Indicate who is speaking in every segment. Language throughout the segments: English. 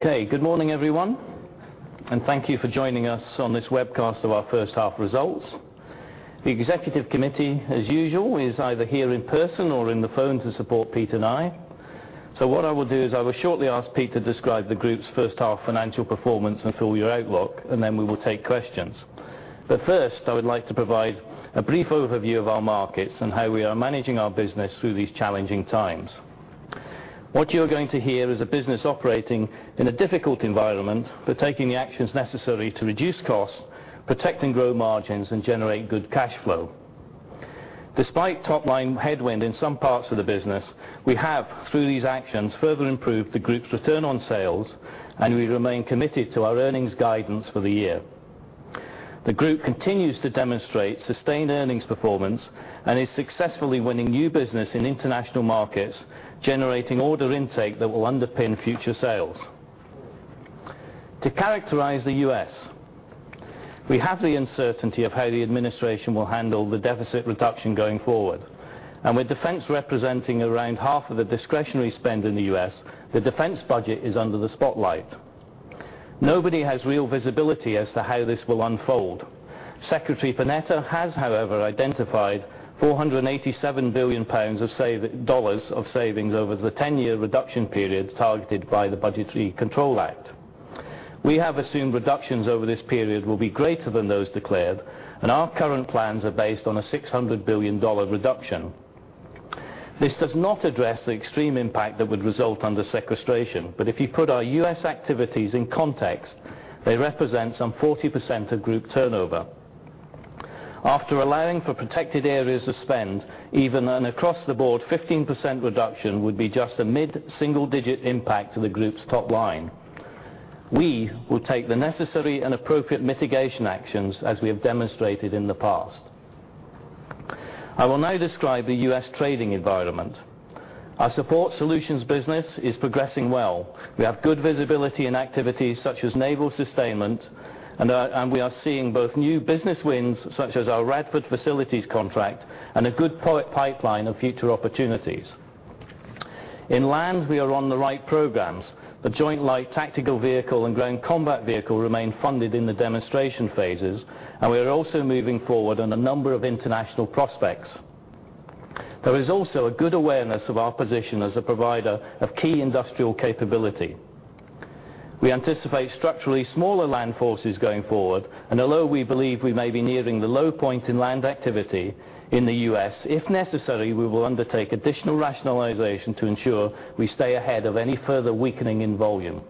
Speaker 1: Good morning, everyone, and thank you for joining us on this webcast of our first half results. The executive committee, as usual, is either here in person or in the phone to support Pete and I. What I will do is I will shortly ask Pete to describe the group's first half financial performance and full year outlook, and then we will take questions. First, I would like to provide a brief overview of our markets and how we are managing our business through these challenging times. What you are going to hear is a business operating in a difficult environment, but taking the actions necessary to reduce costs, protect and grow margins, and generate good cash flow. Despite top-line headwind in some parts of the business, we have, through these actions, further improved the group's return on sales, and we remain committed to our earnings guidance for the year. The group continues to demonstrate sustained earnings performance and is successfully winning new business in international markets, generating order intake that will underpin future sales. To characterize the U.S., we have the uncertainty of how the administration will handle the deficit reduction going forward. With defense representing around half of the discretionary spend in the U.S., the defense budget is under the spotlight. Nobody has real visibility as to how this will unfold. Secretary Panetta has, however, identified $487 billion of savings over the 10-year reduction period targeted by the Budget Control Act. We have assumed reductions over this period will be greater than those declared. Our current plans are based on a $600 billion reduction. This does not address the extreme impact that would result under sequestration, if you put our U.S. activities in context, they represent some 40% of group turnover. After allowing for protected areas of spend, even an across-the-board 15% reduction would be just a mid-single-digit impact to the group's top line. We will take the necessary and appropriate mitigation actions as we have demonstrated in the past. I will now describe the U.S. trading environment. Our Support Solutions business is progressing well. We have good visibility in activities such as naval sustainment, and we are seeing both new business wins, such as our Radford facilities contract, and a good pipeline of future opportunities. In Land, we are on the right programs. The Joint Light Tactical Vehicle and Ground Combat Vehicle remain funded in the demonstration phases. We are also moving forward on a number of international prospects. There is also a good awareness of our position as a provider of key industrial capability. We anticipate structurally smaller land forces going forward, although we believe we may be nearing the low point in land activity in the U.S., if necessary, we will undertake additional rationalization to ensure we stay ahead of any further weakening in volume.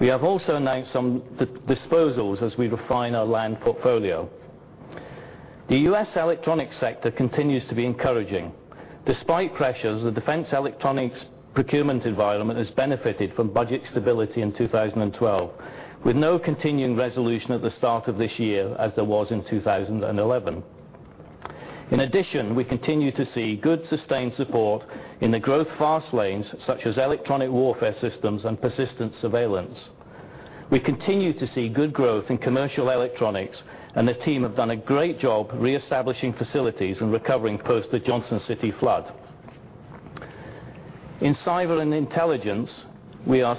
Speaker 1: We have also announced some disposals as we refine our land portfolio. The U.S. electronic sector continues to be encouraging. Despite pressures, the defense electronics procurement environment has benefited from budget stability in 2012, with no continuing resolution at the start of this year as there was in 2011. In addition, we continue to see good sustained support in the growth fast lanes, such as electronic warfare systems and persistent surveillance. We continue to see good growth in commercial electronics, and the team have done a great job reestablishing facilities and recovering post the Johnson City flood. In cyber and intelligence, we are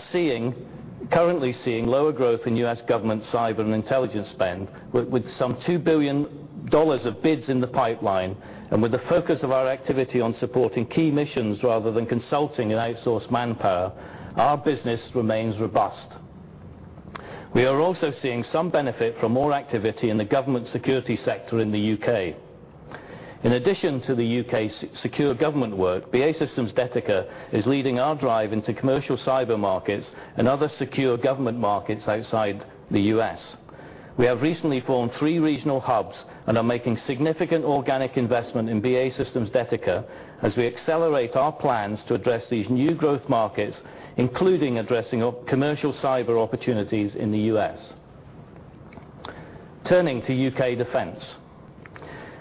Speaker 1: currently seeing lower growth in U.S. government cyber and intelligence spend, with some GBP 2 billion of bids in the pipeline, and with the focus of our activity on supporting key missions rather than consulting and outsourced manpower, our business remains robust. We are also seeing some benefit from more activity in the government security sector in the U.K. In addition to the U.K. secure government work, BAE Systems Detica is leading our drive into commercial cyber markets and other secure government markets outside the U.S. We have recently formed three regional hubs and are making significant organic investment in BAE Systems Detica as we accelerate our plans to address these new growth markets, including addressing commercial cyber opportunities in the U.S. Turning to U.K. defense.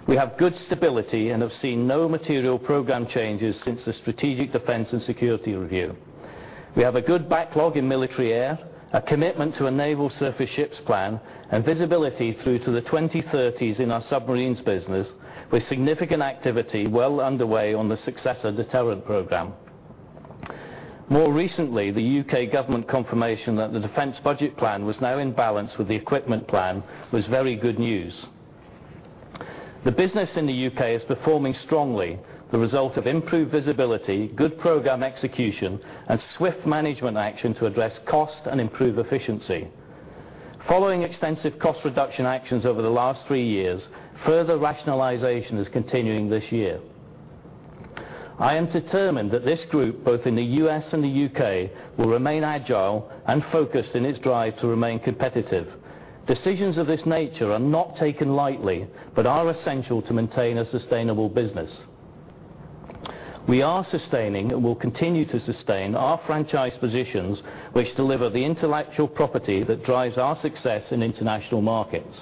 Speaker 1: We have good stability and have seen no material program changes since the Strategic Defence and Security Review. We have a good backlog in military air, a commitment to enable surface ships plan, and visibility through to the 2030s in our submarines business, with significant activity well underway on the Successor deterrent programme. More recently, the U.K. government confirmation that the defense budget plan was now in balance with the equipment plan was very good news. The business in the U.K. is performing strongly, the result of improved visibility, good program execution, and swift management action to address cost and improve efficiency. Following extensive cost reduction actions over the last three years, further rationalization is continuing this year. I am determined that this group, both in the U.S. and the U.K., will remain agile and focused in its drive to remain competitive. Decisions of this nature are not taken lightly but are essential to maintain a sustainable business. We are sustaining and will continue to sustain our franchise positions, which deliver the intellectual property that drives our success in international markets.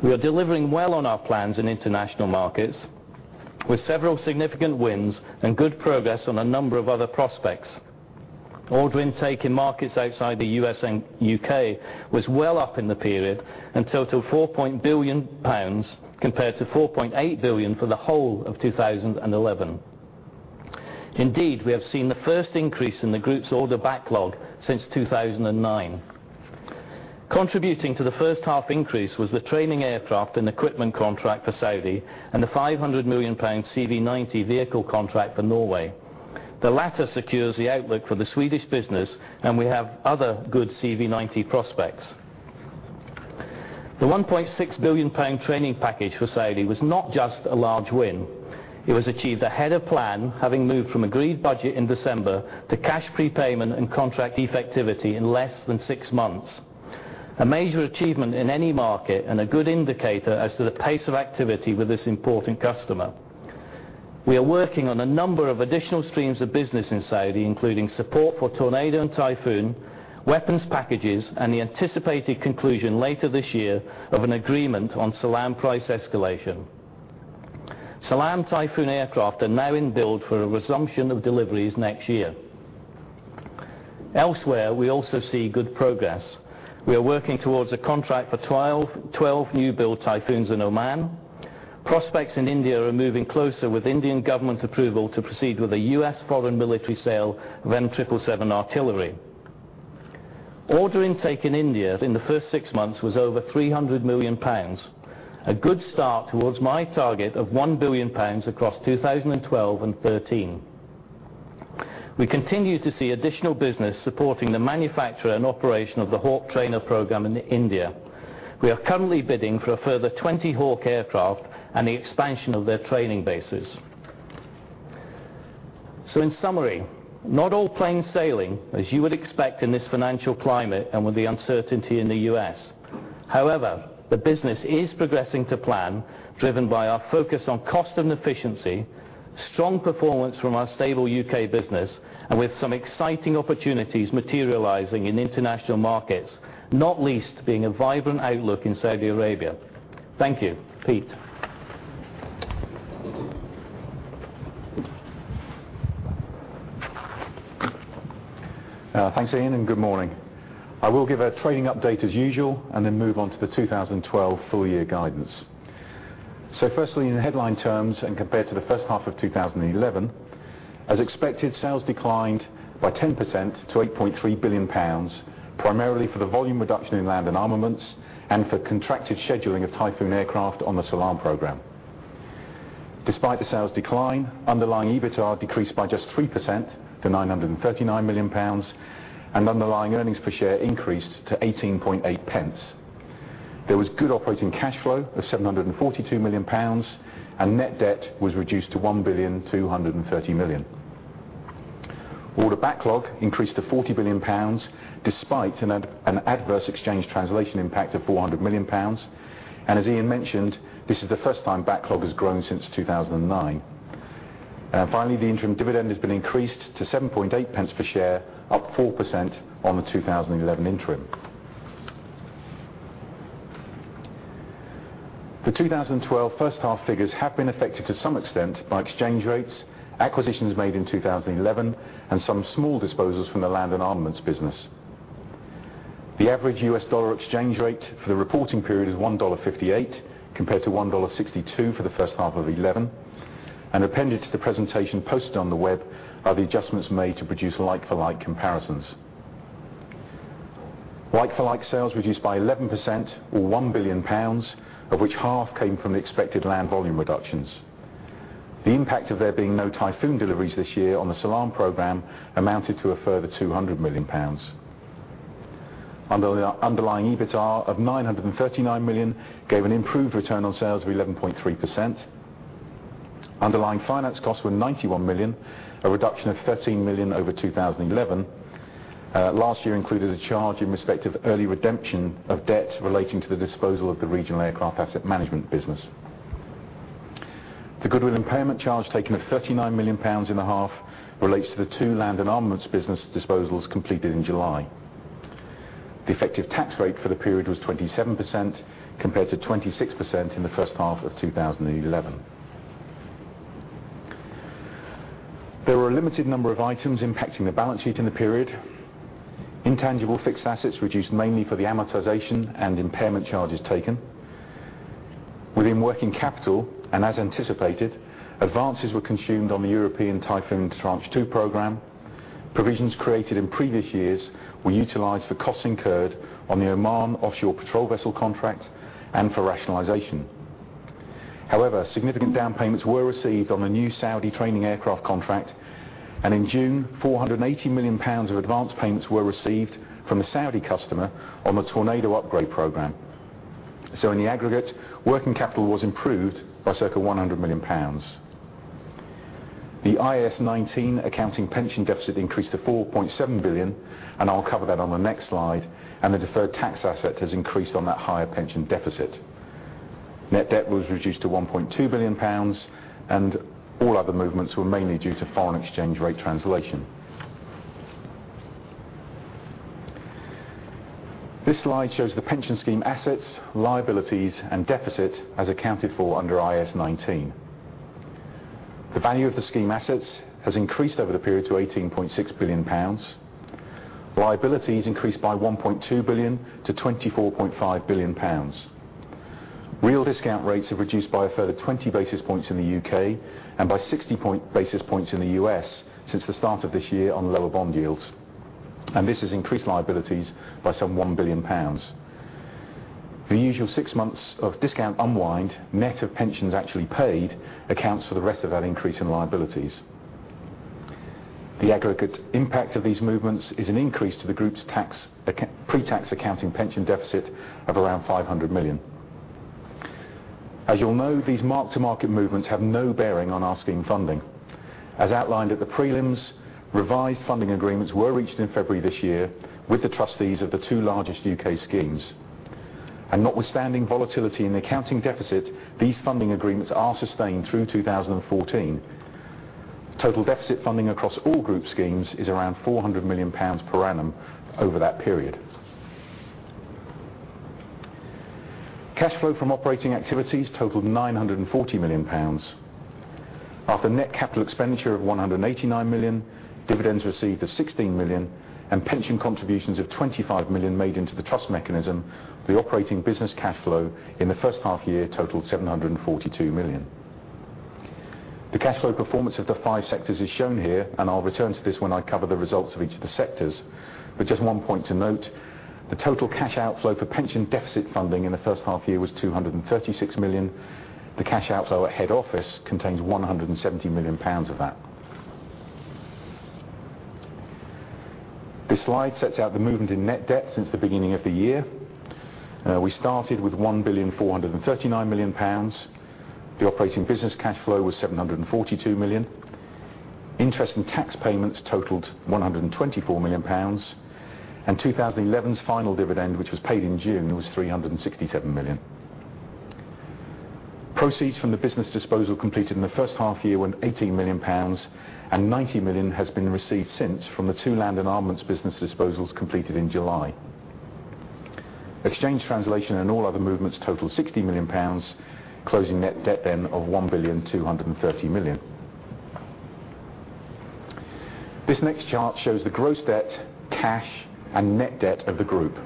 Speaker 1: We are delivering well on our plans in international markets, with several significant wins and good progress on a number of other prospects. Order intake in markets outside the U.S. and U.K. was well up in the period and total 4 billion pounds compared to 4.8 billion for the whole of 2011. Indeed, we have seen the first increase in the group's order backlog since 2009. Contributing to the first half increase was the training aircraft and equipment contract for Saudi and the 500 million pound CV90 vehicle contract for Norway. The latter secures the outlook for the Swedish business, and we have other good CV90 prospects. The 1.6 billion pound training package for Saudi was not just a large win. It was achieved ahead of plan, having moved from agreed budget in December to cash prepayment and contract effectivity in less than six months, a major achievement in any market and a good indicator as to the pace of activity with this important customer. We are working on a number of additional streams of business in Saudi, including support for Tornado and Typhoon, weapons packages, and the anticipated conclusion later this year of an agreement on Salam price escalation. Salam Typhoon aircraft are now in build for a resumption of deliveries next year. Elsewhere, we also see good progress. We are working towards a contract for 12 new-build Typhoons in Oman. Prospects in India are moving closer with Indian government approval to proceed with a U.S. foreign military sale of M777 artillery. Order intake in India in the first six months was over 300 million pounds, a good start towards my target of 1 billion pounds across 2012 and 2013. We continue to see additional business supporting the manufacture and operation of the Hawk trainer program in India. We are currently bidding for a further 20 Hawk aircraft and the expansion of their training bases. In summary, not all plain sailing, as you would expect in this financial climate and with the uncertainty in the U.S. The business is progressing to plan, driven by our focus on cost and efficiency, strong performance from our stable U.K. business, and with some exciting opportunities materializing in international markets, not least being a vibrant outlook in Saudi Arabia. Thank you. Pete.
Speaker 2: Thanks, Ian, good morning. I will give a trading update as usual, then move on to the 2012 full-year guidance. Firstly, in headline terms compared to the first half of 2011, as expected, sales declined by 10% to 8.3 billion pounds, primarily for the volume reduction in Land & Armaments and for contracted scheduling of Typhoon aircraft on the SALAM program. Despite the sales decline, underlying EBITA decreased by just 3% to 939 million pounds, underlying earnings per share increased to 0.188. There was good operating cash flow of 742 million pounds, net debt was reduced to 1.23 billion. Order backlog increased to 40 billion pounds, despite an adverse exchange translation impact of 400 million pounds. As Ian mentioned, this is the first time backlog has grown since 2009. Finally, the interim dividend has been increased to 0.078 per share, up 4% on the 2011 interim. The 2012 first half figures have been affected to some extent by exchange rates, acquisitions made in 2011, some small disposals from the Land & Armaments business. The average U.S. dollar exchange rate for the reporting period is $1.58 compared to $1.62 for the first half of 2011. Appended to the presentation posted on the web are the adjustments made to produce like-for-like comparisons. Like-for-like sales reduced by 11%, or 1 billion pounds, of which half came from the expected land volume reductions. The impact of there being no Typhoon deliveries this year on the SALAM program amounted to a further 200 million pounds. Underlying EBITA of 939 million gave an improved return on sales of 11.3%. Underlying finance costs were 91 million, a reduction of 13 million over 2011. Last year included a charge in respect of early redemption of debt relating to the disposal of the regional aircraft asset management business. The goodwill impairment charge taken of 39 million pounds in the half relates to the two Land & Armaments business disposals completed in July. The effective tax rate for the period was 27% compared to 26% in the first half of 2011. There were a limited number of items impacting the balance sheet in the period. Intangible fixed assets reduced mainly for the amortization and impairment charges taken. Within working capital, as anticipated, advances were consumed on the European Typhoon Tranche 2 program. Provisions created in previous years were utilized for costs incurred on the Oman Offshore Patrol Vessel contract and for rationalization. Significant down payments were received on the new Saudi training aircraft contract, in June, 480 million pounds of advanced payments were received from the Saudi customer on the Tornado upgrade program. In the aggregate, working capital was improved by circa 100 million pounds. The IAS 19 accounting pension deficit increased to 4.7 billion, I'll cover that on the next slide, the deferred tax asset has increased on that higher pension deficit. Net debt was reduced to 1.2 billion pounds, all other movements were mainly due to foreign exchange rate translation. This slide shows the pension scheme assets, liabilities, and deficit as accounted for under IAS 19. The value of the scheme assets has increased over the period to 18.6 billion pounds. Liabilities increased by 1.2 billion to 24.5 billion pounds. Real discount rates have reduced by a further 20 basis points in the U.K. and by 60 basis points in the U.S. since the start of this year on lower bond yields. This has increased liabilities by some 1 billion pounds. The usual six months of discount unwind, net of pensions actually paid, accounts for the rest of that increase in liabilities. The aggregate impact of these movements is an increase to the group's pretax accounting pension deficit of around 500 million. As you'll know, these mark-to-market movements have no bearing on our scheme funding. As outlined at the prelims, revised funding agreements were reached in February this year with the trustees of the two largest U.K. schemes. Notwithstanding volatility in the accounting deficit, these funding agreements are sustained through 2014. Total deficit funding across all group schemes is around 400 million pounds per annum over that period. Cash flow from operating activities totaled 940 million pounds. After net capital expenditure of 189 million, dividends received of 16 million, and pension contributions of 25 million made into the trust mechanism, the operating business cash flow in the first half year totaled 742 million. The cash flow performance of the five sectors is shown here, I'll return to this when I cover the results of each of the sectors. Just one point to note, the total cash outflow for pension deficit funding in the first half year was 236 million. The cash outflow at head office contains 170 million pounds of that. This slide sets out the movement in net debt since the beginning of the year. We started with 1,439,000,000 pounds. The operating business cash flow was 742 million. Interest in tax payments totaled 124 million pounds. 2011's final dividend, which was paid in June, was 367 million. Proceeds from the business disposal completed in the first half year were 18 million pounds. 90 million has been received since from the two Land & Armaments business disposals completed in July. Exchange translation and all other movements totaled 60 million pounds, closing net debt of 1.23 billion. This next chart shows the gross debt, cash, and net debt of the group.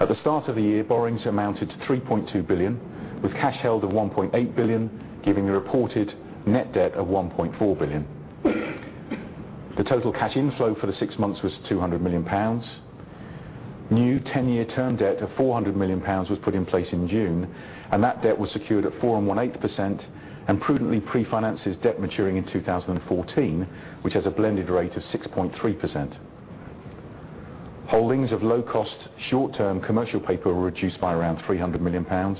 Speaker 2: At the start of the year, borrowings amounted to 3.2 billion, with cash held at 1.8 billion, giving a reported net debt of 1.4 billion. The total cash inflow for the six months was 200 million pounds. New 10-year term debt of 400 million pounds was put in place in June. That debt was secured at 4.18% and prudently prefinances debt maturing in 2014, which has a blended rate of 6.3%. Holdings of low-cost, short-term commercial paper were reduced by around 300 million pounds.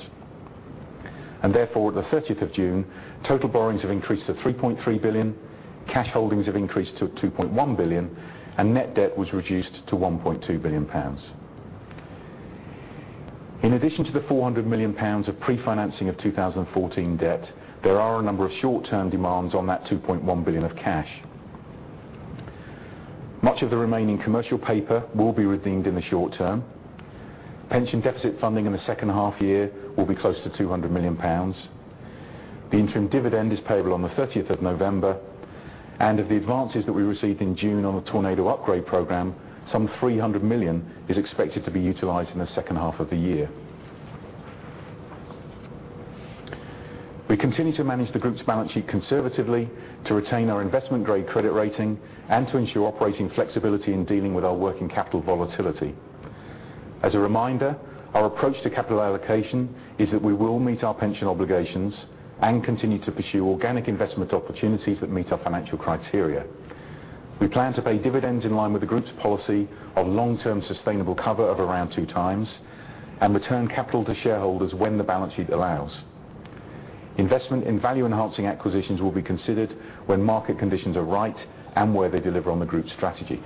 Speaker 2: Therefore, at the 30th of June, total borrowings have increased to 3.3 billion, cash holdings have increased to 2.1 billion, and net debt was reduced to 1.2 billion pounds. In addition to the 400 million pounds of prefinancing of 2014 debt, there are a number of short-term demands on that 2.1 billion of cash. Much of the remaining commercial paper will be redeemed in the short term. Pension deficit funding in the second half year will be close to 200 million pounds. The interim dividend is payable on the 30th of November. Of the advances that we received in June on the Tornado upgrade program, some 300 million is expected to be utilized in the second half of the year. We continue to manage the group's balance sheet conservatively to retain our investment-grade credit rating and to ensure operating flexibility in dealing with our working capital volatility. As a reminder, our approach to capital allocation is that we will meet our pension obligations and continue to pursue organic investment opportunities that meet our financial criteria. We plan to pay dividends in line with the group's policy of long-term sustainable cover of around 2 times and return capital to shareholders when the balance sheet allows. Investment in value-enhancing acquisitions will be considered when market conditions are right and where they deliver on the group's strategy.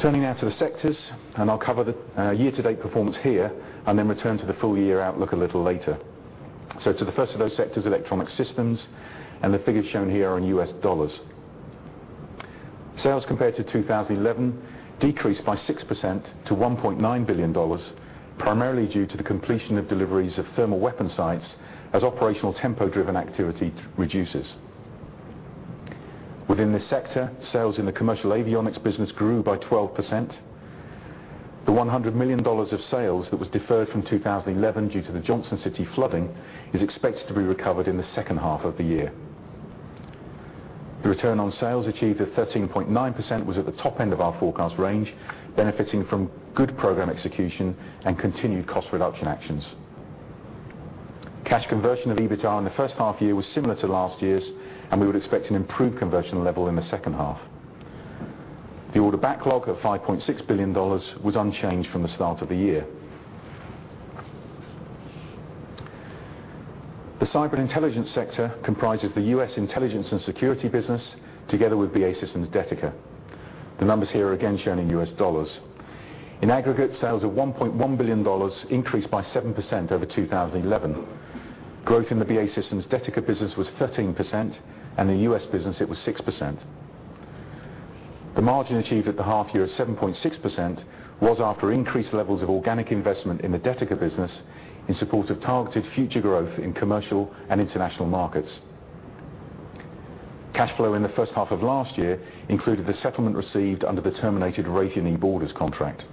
Speaker 2: Turning now to the sectors. I'll cover the year-to-date performance here and then return to the full-year outlook a little later. To the first of those sectors, Electronic Systems. The figures shown here are in US dollars. Sales compared to 2011 decreased by 6% to $1.9 billion, primarily due to the completion of deliveries of thermal weapon sights as operational tempo-driven activity reduces. Within this sector, sales in the commercial avionics business grew by 12%. The $100 million of sales that was deferred from 2011 due to the Johnson City flooding is expected to be recovered in the second half of the year. The return on sales achieved at 13.9% was at the top end of our forecast range, benefiting from good program execution and continued cost reduction actions. Cash conversion of EBITDA in the first half year was similar to last year's. We would expect an improved conversion level in the second half. The order backlog of $5.6 billion was unchanged from the start of the year. The Cyber & Intelligence sector comprises the U.S. intelligence and security business together with BAE Systems Detica. The numbers here are again shown in US dollars. In aggregate sales of $1.1 billion, increased by 7% over 2011. Growth in the BAE Systems Detica business was 13%, and the U.S. business, it was 6%. The margin achieved at the half year of 7.6% was after increased levels of organic investment in the Detica business in support of targeted future growth in commercial and international markets. Cash flow in the first half of last year included the settlement received under the terminated Raytheon e-Borders contract.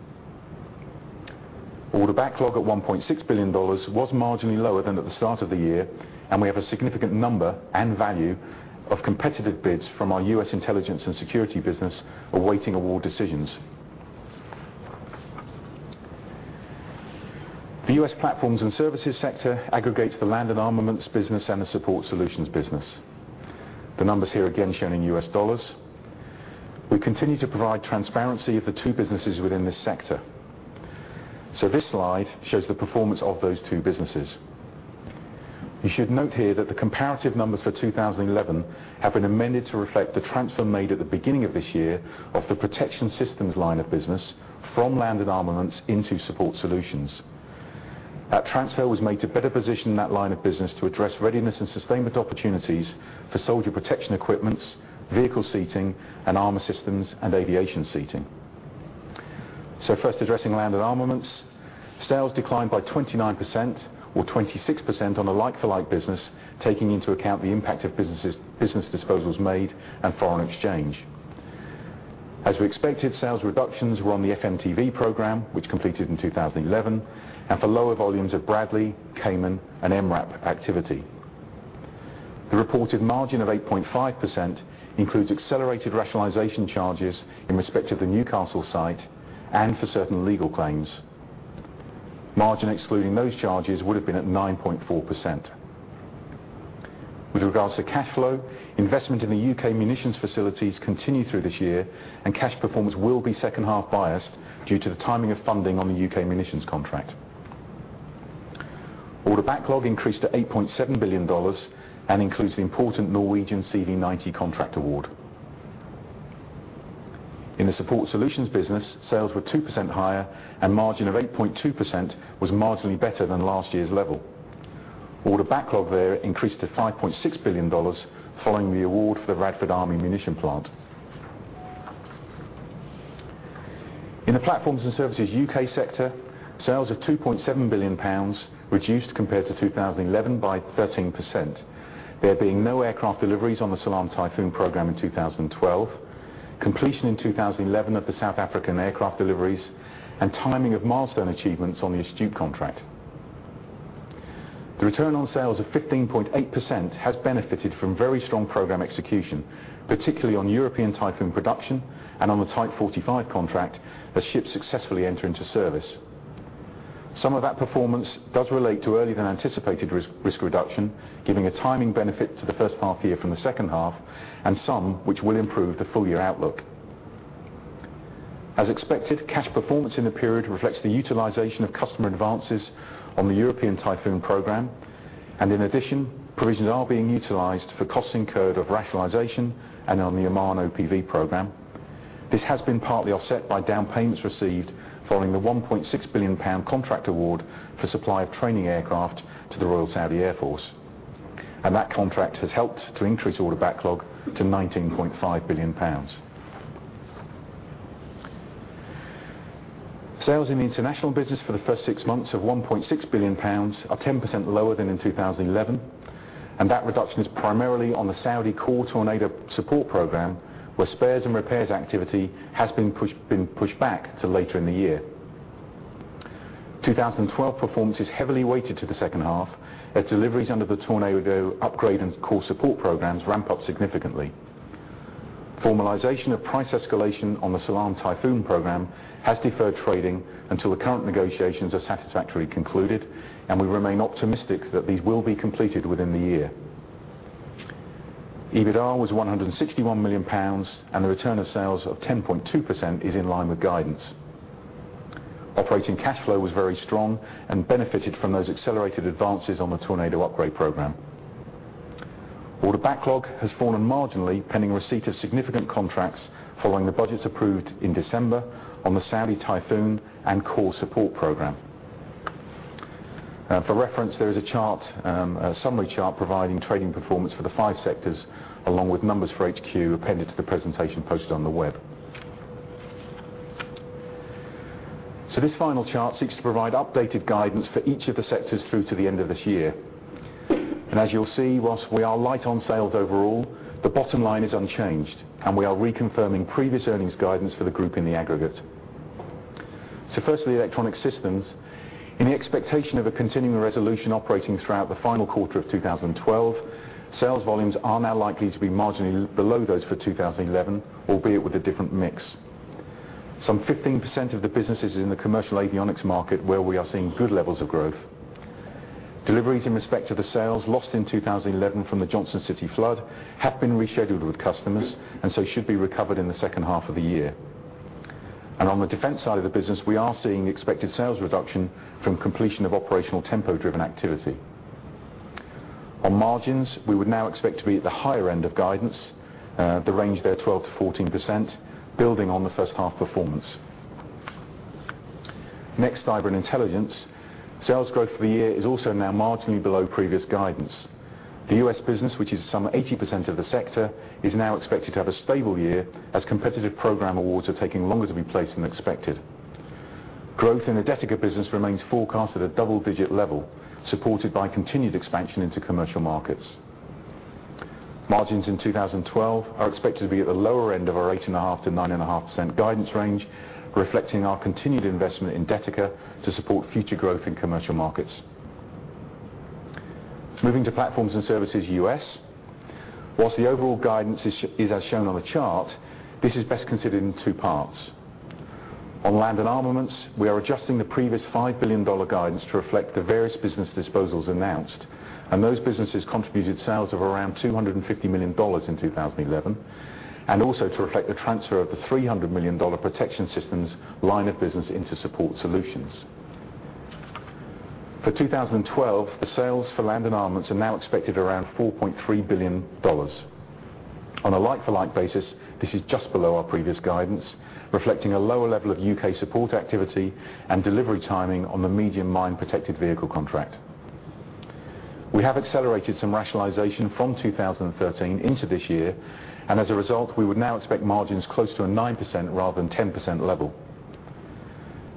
Speaker 2: Order backlog at $1.6 billion was marginally lower than at the start of the year, and we have a significant number and value of competitive bids from our U.S. Cyber & Intelligence business awaiting award decisions. The U.S. Platforms & Services sector aggregates the Land & Armaments business and the Support Solutions business. The numbers here again shown in U.S. dollars. We continue to provide transparency of the two businesses within this sector. This slide shows the performance of those two businesses. You should note here that the comparative numbers for 2011 have been amended to reflect the transfer made at the beginning of this year of the protection systems line of business from Land & Armaments into Support Solutions. That transfer was made to better position that line of business to address readiness and sustainment opportunities for soldier protection equipments, vehicle seating, and armor systems and aviation seating. First addressing Land & Armaments. Sales declined by 29% or 26% on a like-for-like business, taking into account the impact of business disposals made and foreign exchange. As we expected, sales reductions were on the FMTV program, which completed in 2011, and for lower volumes of Bradley, Caiman, and MRAP activity. The reported margin of 8.5% includes accelerated rationalization charges in respect of the Newcastle site and for certain legal claims. Margin excluding those charges would have been at 9.4%. With regards to cash flow, investment in the U.K. munitions facilities continue through this year, and cash performance will be second half biased due to the timing of funding on the U.K. munitions contract. Order backlog increased to $8.7 billion and includes the important Norwegian CV90 contract award. In the Support Solutions business, sales were 2% higher and margin of 8.2% was marginally better than last year's level. Order backlog there increased to $5.6 billion following the award for the Radford Army Munition Plant. In the Platforms and Services UK sector, sales of 2.7 billion pounds reduced compared to 2011 by 13%, there being no aircraft deliveries on the Salam Typhoon programme in 2012, completion in 2011 of the South African aircraft deliveries, and timing of milestone achievements on the Astute contract. The return on sales of 15.8% has benefited from very strong program execution, particularly on European Typhoon production and on the Type 45 contract as ships successfully enter into service. Some of that performance does relate to earlier than anticipated risk reduction, giving a timing benefit to the first half year from the second half and some which will improve the full year outlook. As expected, cash performance in the period reflects the utilization of customer advances on the European Typhoon program, and in addition, provisions are being utilized for costs incurred of rationalization and on the Oman OPV program. This has been partly offset by down payments received following the 1.6 billion pound contract award for supply of training aircraft to the Royal Saudi Air Force. That contract has helped to increase order backlog to 19.5 billion pounds. Sales in the international business for the first six months of 1.6 billion pounds are 10% lower than in 2011. That reduction is primarily on the Saudi core Tornado support program, where spares and repairs activity has been pushed back to later in the year. 2012 performance is heavily weighted to the second half as deliveries under the Tornado upgrade and core support programs ramp up significantly. Formalization of price escalation on the Salam Typhoon programme has deferred trading until the current negotiations are satisfactorily concluded. We remain optimistic that these will be completed within the year. EBITDA was 161 million pounds. The return on sales of 10.2% is in line with guidance. Operating cash flow was very strong and benefited from those accelerated advances on the Tornado upgrade program. Order backlog has fallen marginally pending receipt of significant contracts following the budget approved in December on the Saudi Typhoon and core support program. For reference, there is a summary chart providing trading performance for the five sectors along with numbers for HQ appended to the presentation posted on the web. This final chart seeks to provide updated guidance for each of the sectors through to the end of this year. As you'll see, whilst we are light on sales overall, the bottom line is unchanged. We are reconfirming previous earnings guidance for the group in the aggregate. Firstly, Electronic Systems. In the expectation of a continuing resolution operating throughout the final quarter of 2012, sales volumes are now likely to be marginally below those for 2011, albeit with a different mix. Some 15% of the businesses in the commercial avionics market where we are seeing good levels of growth. Deliveries in respect of the sales lost in 2011 from the Johnson City flood have been rescheduled with customers and should be recovered in the second half of the year. On the defense side of the business, we are seeing the expected sales reduction from completion of operational tempo-driven activity. On margins, we would now expect to be at the higher end of guidance, the range there 12%-14%, building on the first half performance. Next, Cyber & Intelligence. Sales growth for the year is also now marginally below previous guidance. The U.S. business, which is some 80% of the sector, is now expected to have a stable year as competitive program awards are taking longer to be placed than expected. Growth in the Detica business remains forecast at a double-digit level, supported by continued expansion into commercial markets. Margins in 2012 are expected to be at the lower end of our 8.5%-9.5% guidance range, reflecting our continued investment in Detica to support future growth in commercial markets. Moving to Platforms & Services U.S. Whilst the overall guidance is as shown on the chart, this is best considered in two parts. On Land & Armaments, we are adjusting the previous GBP 5 billion guidance to reflect the various business disposals announced. Those businesses contributed sales of around GBP 250 million in 2011. Also to reflect the transfer of the GBP 300 million protection systems line of business into Support Solutions. For 2012, the sales for Land & Armaments are now expected around GBP 4.3 billion. On a like-for-like basis, this is just below our previous guidance, reflecting a lower level of U.K. support activity and delivery timing on the Medium Mine Protected Vehicle contract. As a result, we would now expect margins closer to a 9% rather than 10% level.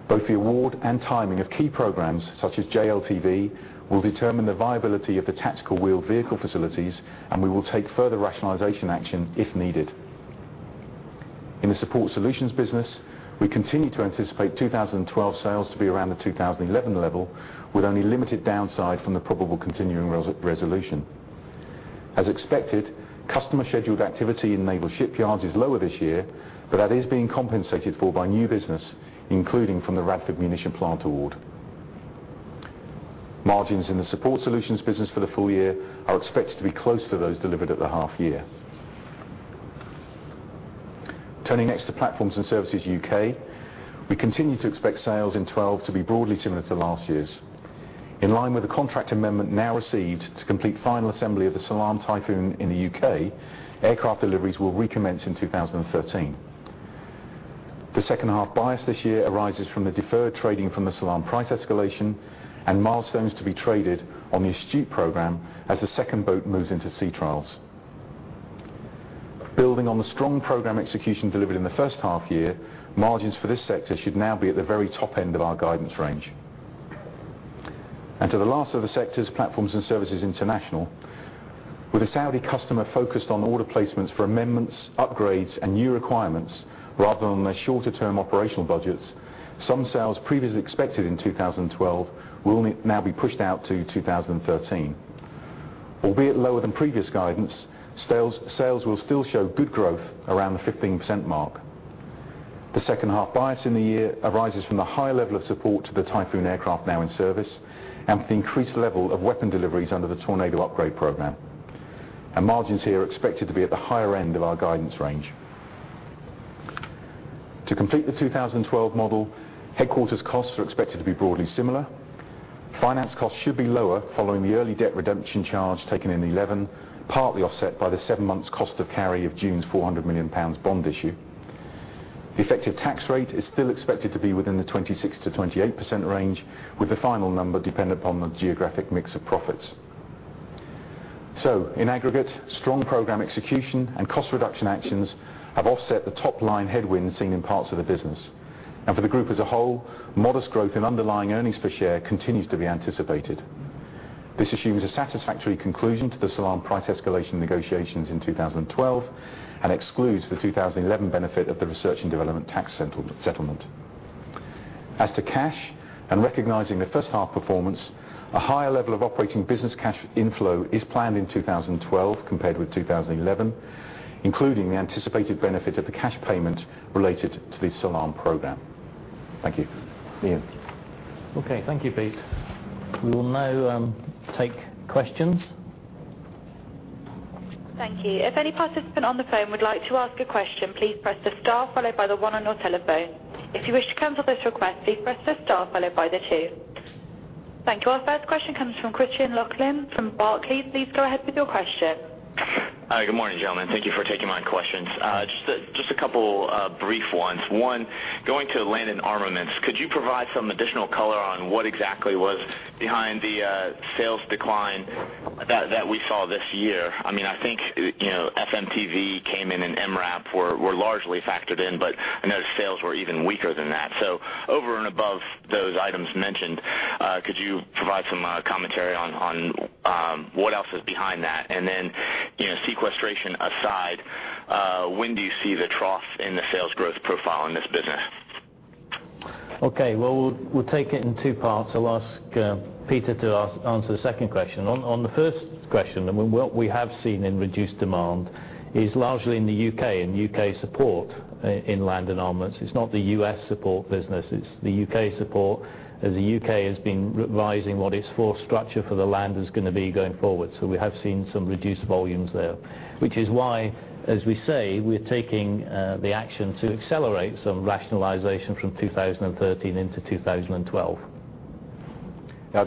Speaker 2: Both the award and timing of key programs such as JLTV, will determine the viability of the tactical wheeled vehicle facilities. We will take further rationalization action if needed. In the Support Solutions business, we continue to anticipate 2012 sales to be around the 2011 level, with only limited downside from the probable continuing resolution. As expected, customer scheduled activity in naval shipyards is lower this year. That is being compensated for by new business, including from the Radford Munition Plant award. Margins in the Support Solutions business for the full year are expected to be close to those delivered at the half year. Turning next to Platforms and Services UK. We continue to expect sales in 2012 to be broadly similar to last year's. In line with the contract amendment now received to complete final assembly of the Salam Typhoon in the U.K., aircraft deliveries will recommence in 2013. The second half bias this year arises from the deferred trading from the Salam price escalation and milestones to be traded on the Astute program as the second boat moves into sea trials. Building on the strong program execution delivered in the first half year, margins for this sector should now be at the very top end of our guidance range. To the last of the sectors, Platforms and Services International. With a Saudi customer focused on order placements for amendments, upgrades, and new requirements, rather than on their shorter-term operational budgets, some sales previously expected in 2012 will now be pushed out to 2013. Albeit lower than previous guidance, sales will still show good growth around the 15% mark. The second half bias in the year arises from the high level of support to the Typhoon aircraft now in service and with the increased level of weapon deliveries under the Tornado upgrade program. Margins here are expected to be at the higher end of our guidance range. To complete the 2012 model, headquarters costs are expected to be broadly similar. Finance costs should be lower following the early debt redemption charge taken in 2011, partly offset by the seven months' cost of carry of June's 400 million pounds bond issue. The effective tax rate is still expected to be within the 26%-28% range, with the final number dependent upon the geographic mix of profits. In aggregate, strong program execution and cost reduction actions have offset the top-line headwinds seen in parts of the business. For the group as a whole, modest growth in underlying earnings per share continues to be anticipated. This assumes a satisfactory conclusion to the Salam price escalation negotiations in 2012 and excludes the 2011 benefit of the research and development tax settlement. As to cash, recognizing the first half performance, a higher level of operating business cash inflow is planned in 2012 compared with 2011, including the anticipated benefit of the cash payment related to the Salam program. Thank you. Ian.
Speaker 1: Okay. Thank you, Pete. We will now take questions.
Speaker 3: Thank you. If any participant on the phone would like to ask a question, please press the star followed by the one on your telephone. If you wish to cancel this request, please press the star followed by the two. Thank you. Our first question comes from Christian Laughlin from Barclays. Please go ahead with your question.
Speaker 4: Hi. Good morning, gentlemen. Thank you for taking my questions. Just a couple of brief ones. One, going to Land and Armaments, could you provide some additional color on what exactly was behind the sales decline that we saw this year? I think FMTV came in and MRAP were largely factored in, but I know sales were even weaker than that. Over and above those items mentioned, could you provide some commentary on what else is behind that? Sequestration aside, when do you see the trough in the sales growth profile in this business?
Speaker 1: Okay. Well, we'll take it in two parts. I'll ask Peter to answer the second question. On the first question, what we have seen in reduced demand is largely in the U.K., in U.K. support in Land and Armaments. It's not the U.S. support business, it's the U.K. support, as the U.K. has been revising what its force structure for the land is going to be going forward. We have seen some reduced volumes there, which is why, as we say, we're taking the action to accelerate some rationalization from 2013 into 2012.
Speaker 2: I'll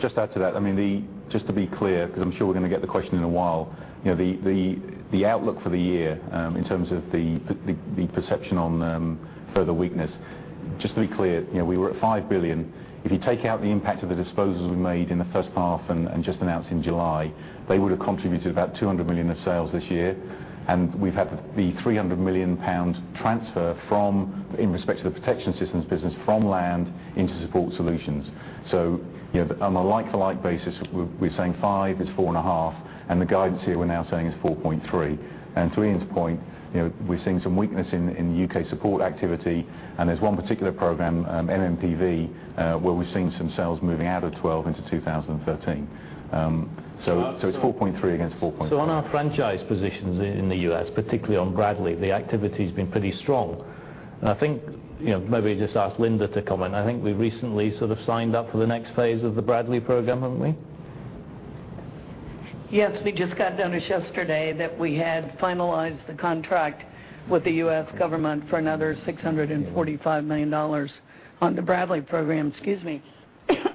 Speaker 2: just add to that. Just to be clear, because I'm sure we're going to get the question in a while, the outlook for the year in terms of the perception on further weakness, just to be clear, we were at 5 billion. If you take out the impact of the disposals we made in the first half and just announced in July, they would have contributed about 200 million of sales this year, and we've had the 300 million pound transfer in respect to the protection systems business from Land into Support Solutions. On a like-to-like basis, we're saying 5 is 4.5, and the guidance here we're now saying is 4.3. To Ian's point, we're seeing some weakness in U.K. support activity, and there's one particular program, MMPV, where we're seeing some sales moving out of 2012 into 2013. It's 4.3 against 4.5.
Speaker 1: On our franchise positions in the U.S., particularly on Bradley, the activity's been pretty strong. I think, maybe just ask Linda to comment, I think we recently sort of signed up for the next phase of the Bradley program, haven't we?
Speaker 5: Yes, we just got notice yesterday that we had finalized the contract with the U.S. government for another $645 million on the Bradley program.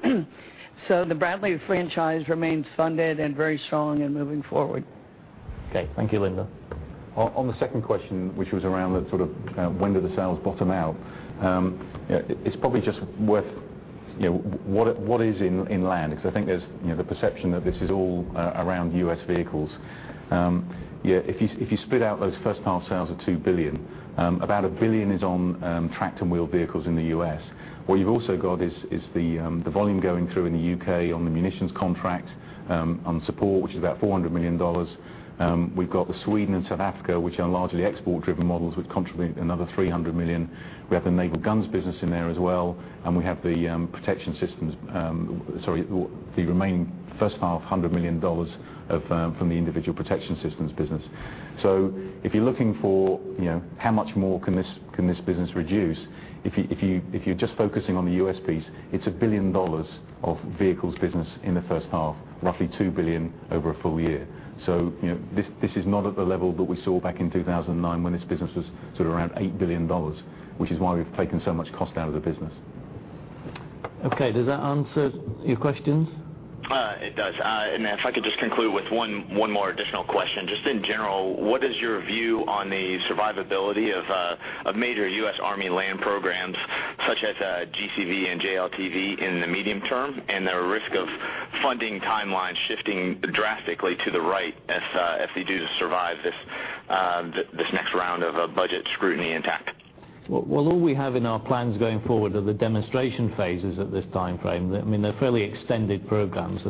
Speaker 5: The Bradley franchise remains funded and very strong and moving forward.
Speaker 1: Okay. Thank you, Linda.
Speaker 2: On the second question, which was around that sort of when do the sales bottom out, it's probably just worth what is in Land, because I think there's the perception that this is all around U.S. vehicles. If you spit out those first-half sales of 2 billion, about 1 billion is on tracked and wheeled vehicles in the U.S. What you've also got is the volume going through in the U.K. on the munitions contract, on support, which is about GBP 400 million. We've got the Sweden and South Africa, which are largely export-driven models, would contribute another 300 million. We have the naval guns business in there as well, and we have the remaining first-half GBP 100 million from the individual protection systems business. If you're looking for how much more can this business reduce, if you're just focusing on the U.S. piece, it's GBP 1 billion of vehicles business in the first half, roughly 2 billion over a full year. This is not at the level that we saw back in 2009 when this business was sort of around GBP 8 billion, which is why we've taken so much cost out of the business.
Speaker 1: Okay. Does that answer your questions?
Speaker 4: It does. If I could just conclude with one more additional question. Just in general, what is your view on the survivability of major U.S. Army land programs such as GCV and JLTV in the medium term, and the risk of funding timelines shifting drastically to the right as they do to survive this next round of budget scrutiny intact?
Speaker 1: Well, all we have in our plans going forward are the demonstration phases at this timeframe. They're fairly extended programs,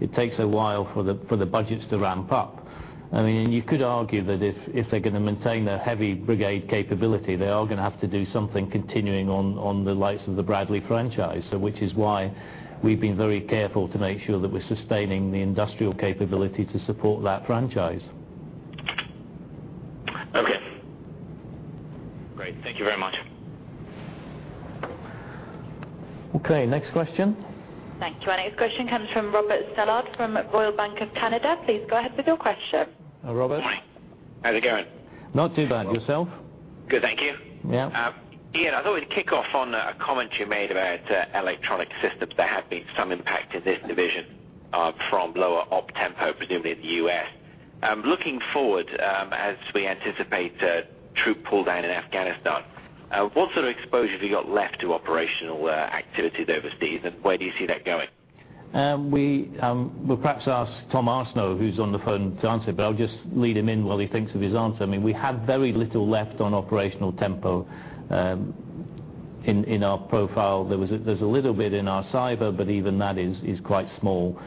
Speaker 1: it takes a while for the budgets to ramp up. You could argue that if they're going to maintain their heavy brigade capability, they are going to have to do something continuing on the likes of the Bradley franchise. Which is why we've been very careful to make sure that we're sustaining the industrial capability to support that franchise.
Speaker 4: Okay. Great. Thank you very much.
Speaker 1: Okay, next question.
Speaker 3: Thank you. Our next question comes from Robert Stallard from Royal Bank of Canada. Please go ahead with your question.
Speaker 1: Robert.
Speaker 6: Hi. How's it going?
Speaker 1: Not too bad. Yourself?
Speaker 6: Good, thank you.
Speaker 1: Yeah.
Speaker 6: Ian, I thought we'd kick off on a comment you made about Electronic Systems. There have been some impact in this division from lower op tempo, presumably in the U.S. Looking forward, as we anticipate troop pull down in Afghanistan, what sort of exposure have you got left to operational activities overseas, and where do you see that going?
Speaker 1: We'll perhaps ask Tom Arseneault, who's on the phone, to answer, but I'll just lead him in while he thinks of his answer. We have very little left on operational tempo in our profile. There's a little bit in our cyber, but even that is quite small.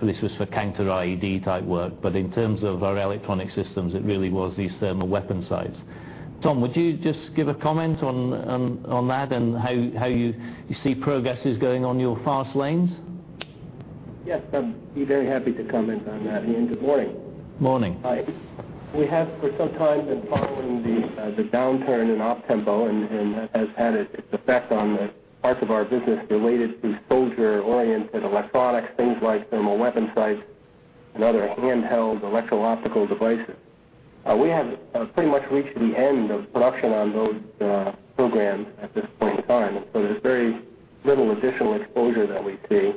Speaker 1: This was for counter-IED type work, but in terms of our Electronic Systems, it really was these thermal weapon sights. Tom, would you just give a comment on that and how you see progresses going on your fast lanes?
Speaker 7: Yes, I'd be very happy to comment on that, Ian. Good morning.
Speaker 1: Morning.
Speaker 7: Hi. We have, for some time, been following the downturn in op tempo, and that has had its effect on the parts of our business related to exposure-oriented electronics, things like thermal weapon sights and other handheld electro-optical devices. We have pretty much reached the end of production on those programs at this point in time. There's very little additional exposure that we see.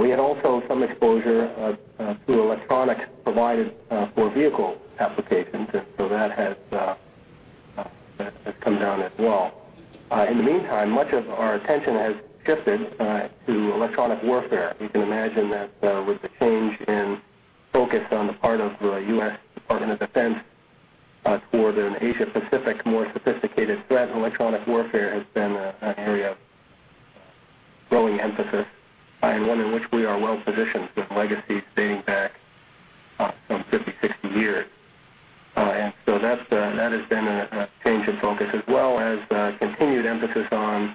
Speaker 7: We had also some exposure through electronics provided for vehicle applications, and so that has come down as well. In the meantime, much of our attention has shifted to electronic warfare. You can imagine that with the change in focus on the part of the U.S. Department of Defense toward an Asia-Pacific, more sophisticated threat, electronic warfare has been an area of growing emphasis, and one in which we are well-positioned, with a legacy dating back some 50, 60 years. That has been a change in focus, as well as continued emphasis on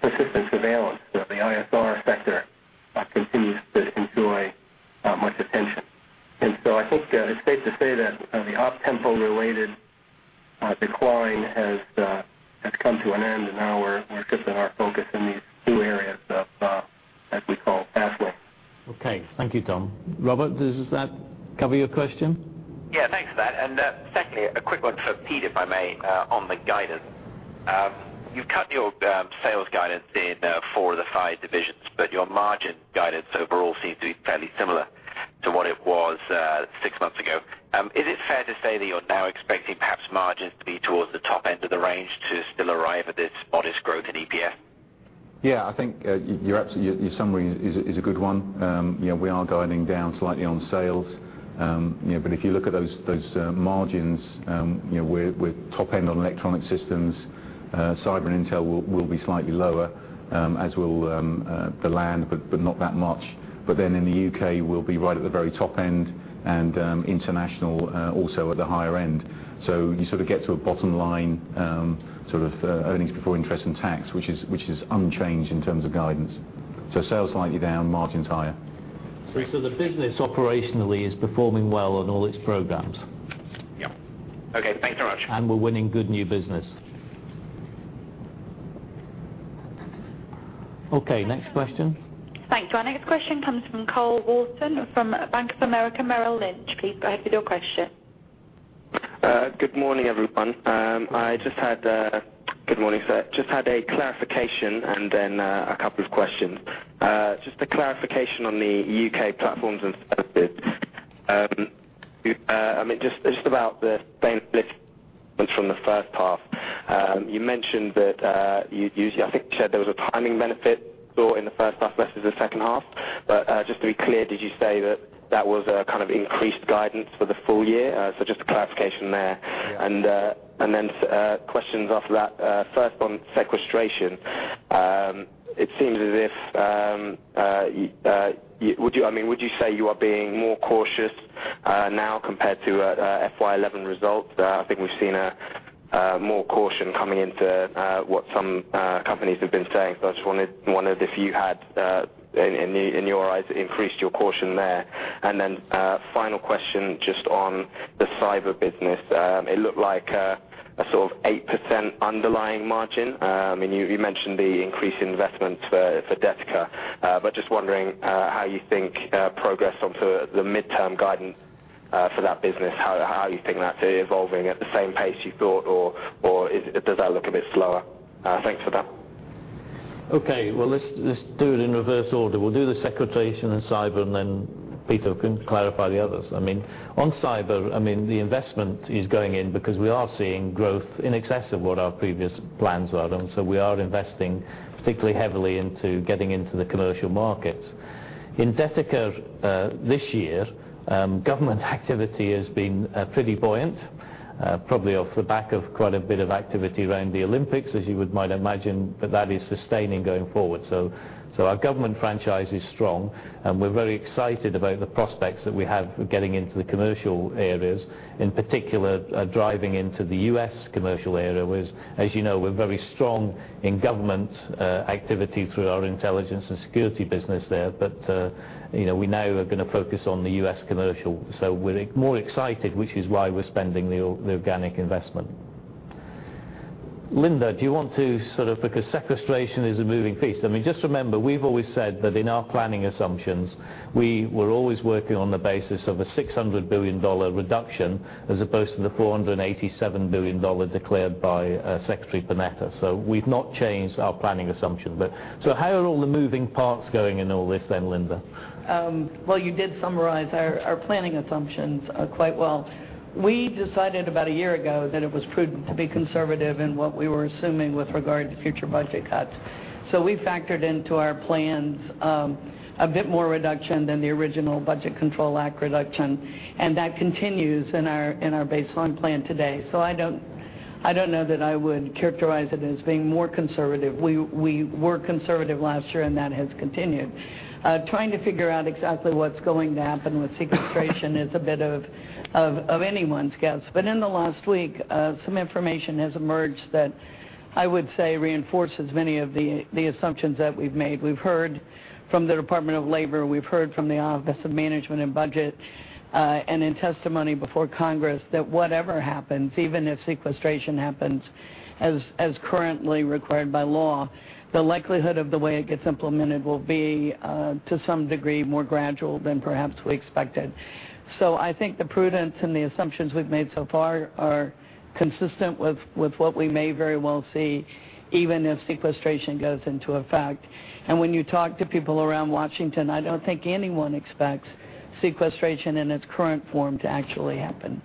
Speaker 7: persistent surveillance. The ISR sector continues to enjoy much attention. I think it's safe to say that the op tempo-related decline has come to an end, and now we're shifting our focus in these two areas of, as we call it, [FAWL]
Speaker 1: Okay. Thank you, Tom. Robert, does that cover your question?
Speaker 6: Yeah, thanks for that. Secondly, a quick one for Peter, if I may, on the guidance. You've cut your sales guidance in 4 of the 5 divisions, but your margin guidance overall seems to be fairly similar to what it was 6 months ago. Is it fair to say that you're now expecting perhaps margins to be towards the top end of the range to still arrive at this modest growth in EPS?
Speaker 2: Yeah, I think your summary is a good one. We are guiding down slightly on sales. If you look at those margins, with top end on Electronic Systems, Cyber and Intelligence will be slightly lower, as will the Land, but not that much. In the U.K., we'll be right at the very top end, and international also at the higher end. You sort of get to a bottom line, earnings before interest and tax, which is unchanged in terms of guidance. Sales slightly down, margins higher.
Speaker 1: The business operationally is performing well on all its programs.
Speaker 6: Yeah. Okay, thanks very much.
Speaker 1: We're winning good new business. Okay. Next question.
Speaker 3: Thanks. Our next question comes from Celine Fornaro from Bank of America Merrill Lynch. Please go ahead with your question.
Speaker 8: Good morning, everyone. Good morning, sir. Just had a clarification and then a couple of questions. Just a clarification on the UK Platforms and Services. Just about the first half. You mentioned that, I think you said there was a timing benefit thought in the first half versus the second half, did you say that that was a kind of increased guidance for the full year? Just a clarification there.
Speaker 1: Yeah.
Speaker 8: Questions after that. On sequestration. It seems as if, would you say you are being more cautious now compared to FY 2011 results? I think we've seen more caution coming into what some companies have been saying. I just wondered if you had, in your eyes, increased your caution there. Final question, just on the Cyber business. It looked like a sort of 8% underlying margin. You mentioned the increased investment for Detica. Just wondering how you think progress on the midterm guidance for that business, how you think that's evolving at the same pace you thought, or does that look a bit slower? Thanks for that.
Speaker 1: Okay. Let's do it in reverse order. We'll do the sequestration and Cyber. Peter can clarify the others. On Cyber, the investment is going in because we are seeing growth in excess of what our previous plans were. We are investing particularly heavily into getting into the commercial markets. In Detica this year, government activity has been pretty buoyant, probably off the back of quite a bit of activity around the Olympics, as you would might imagine, but that is sustaining going forward. Our government franchise is strong, and we're very excited about the prospects that we have getting into the commercial areas, in particular, driving into the U.S. commercial area, whereas as you know, we're very strong in government activity through our intelligence and security business there. We now are going to focus on the U.S. commercial. We're more excited, which is why we're spending the organic investment. Linda, do you want to sort of, because sequestration is a moving piece. Just remember, we've always said that in our planning assumptions, we were always working on the basis of a $600 billion reduction as opposed to the $487 billion declared by Secretary Panetta. We've not changed our planning assumption. How are all the moving parts going in all this then, Linda?
Speaker 5: You did summarize our planning assumptions quite well. We decided about a year ago that it was prudent to be conservative in what we were assuming with regard to future budget cuts. We factored into our plans a bit more reduction than the original Budget Control Act reduction, and that continues in our baseline plan today. I don't know that I would characterize it as being more conservative. We were conservative last year, and that has continued. Trying to figure out exactly what's going to happen with sequestration is a bit of anyone's guess. In the last week, some information has emerged that I would say reinforces many of the assumptions that we've made. We've heard from the United States Department of Labor, we've heard from the Office of Management and Budget, and in testimony before United States Congress that whatever happens, even if sequestration happens as currently required by law, the likelihood of the way it gets implemented will be, to some degree, more gradual than perhaps we expected. I think the prudence and the assumptions we've made so far are consistent with what we may very well see, even if sequestration goes into effect. When you talk to people around Washington, I don't think anyone expects sequestration in its current form to actually happen.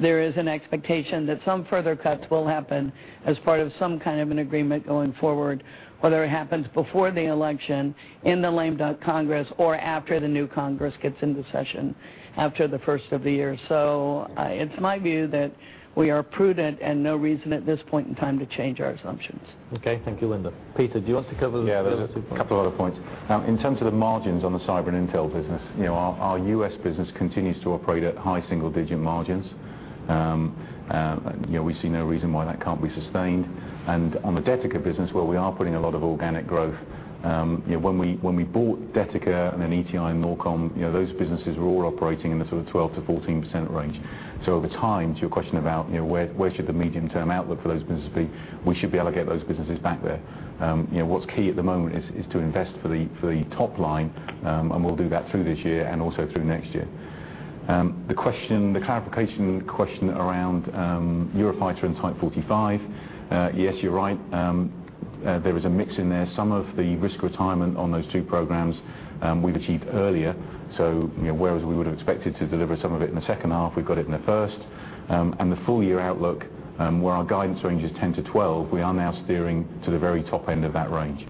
Speaker 5: There is an expectation that some further cuts will happen as part of some kind of an agreement going forward, whether it happens before the election, in the lame duck Congress, or after the new Congress gets into session after the first of the year. It's my view that we are prudent and no reason at this point in time to change our assumptions.
Speaker 1: Okay. Thank you, Linda. Peter, do you want to cover those two points?
Speaker 2: Yeah, there's a couple other points. In terms of the margins on the Cyber & Intelligence business, our U.S. business continues to operate at high single-digit margins. We see no reason why that can't be sustained. On the Detica business, where we are putting a lot of organic growth, when we bought Detica and then ETI A/S and Norkom, those businesses were all operating in the sort of 12%-14% range. Over time, to your question about where should the medium-term outlook for those businesses be, we should be able to get those businesses back there. What's key at the moment is to invest for the top line, and we'll do that through this year and also through next year. The clarification question around Eurofighter and Type 45. Yes, you're right. There is a mix in there. Some of the risk retirement on those two programs, we've achieved earlier, so whereas we would have expected to deliver some of it in the second half, we got it in the first. The full year outlook, where our guidance range is 10 to 12, we are now steering to the very top end of that range.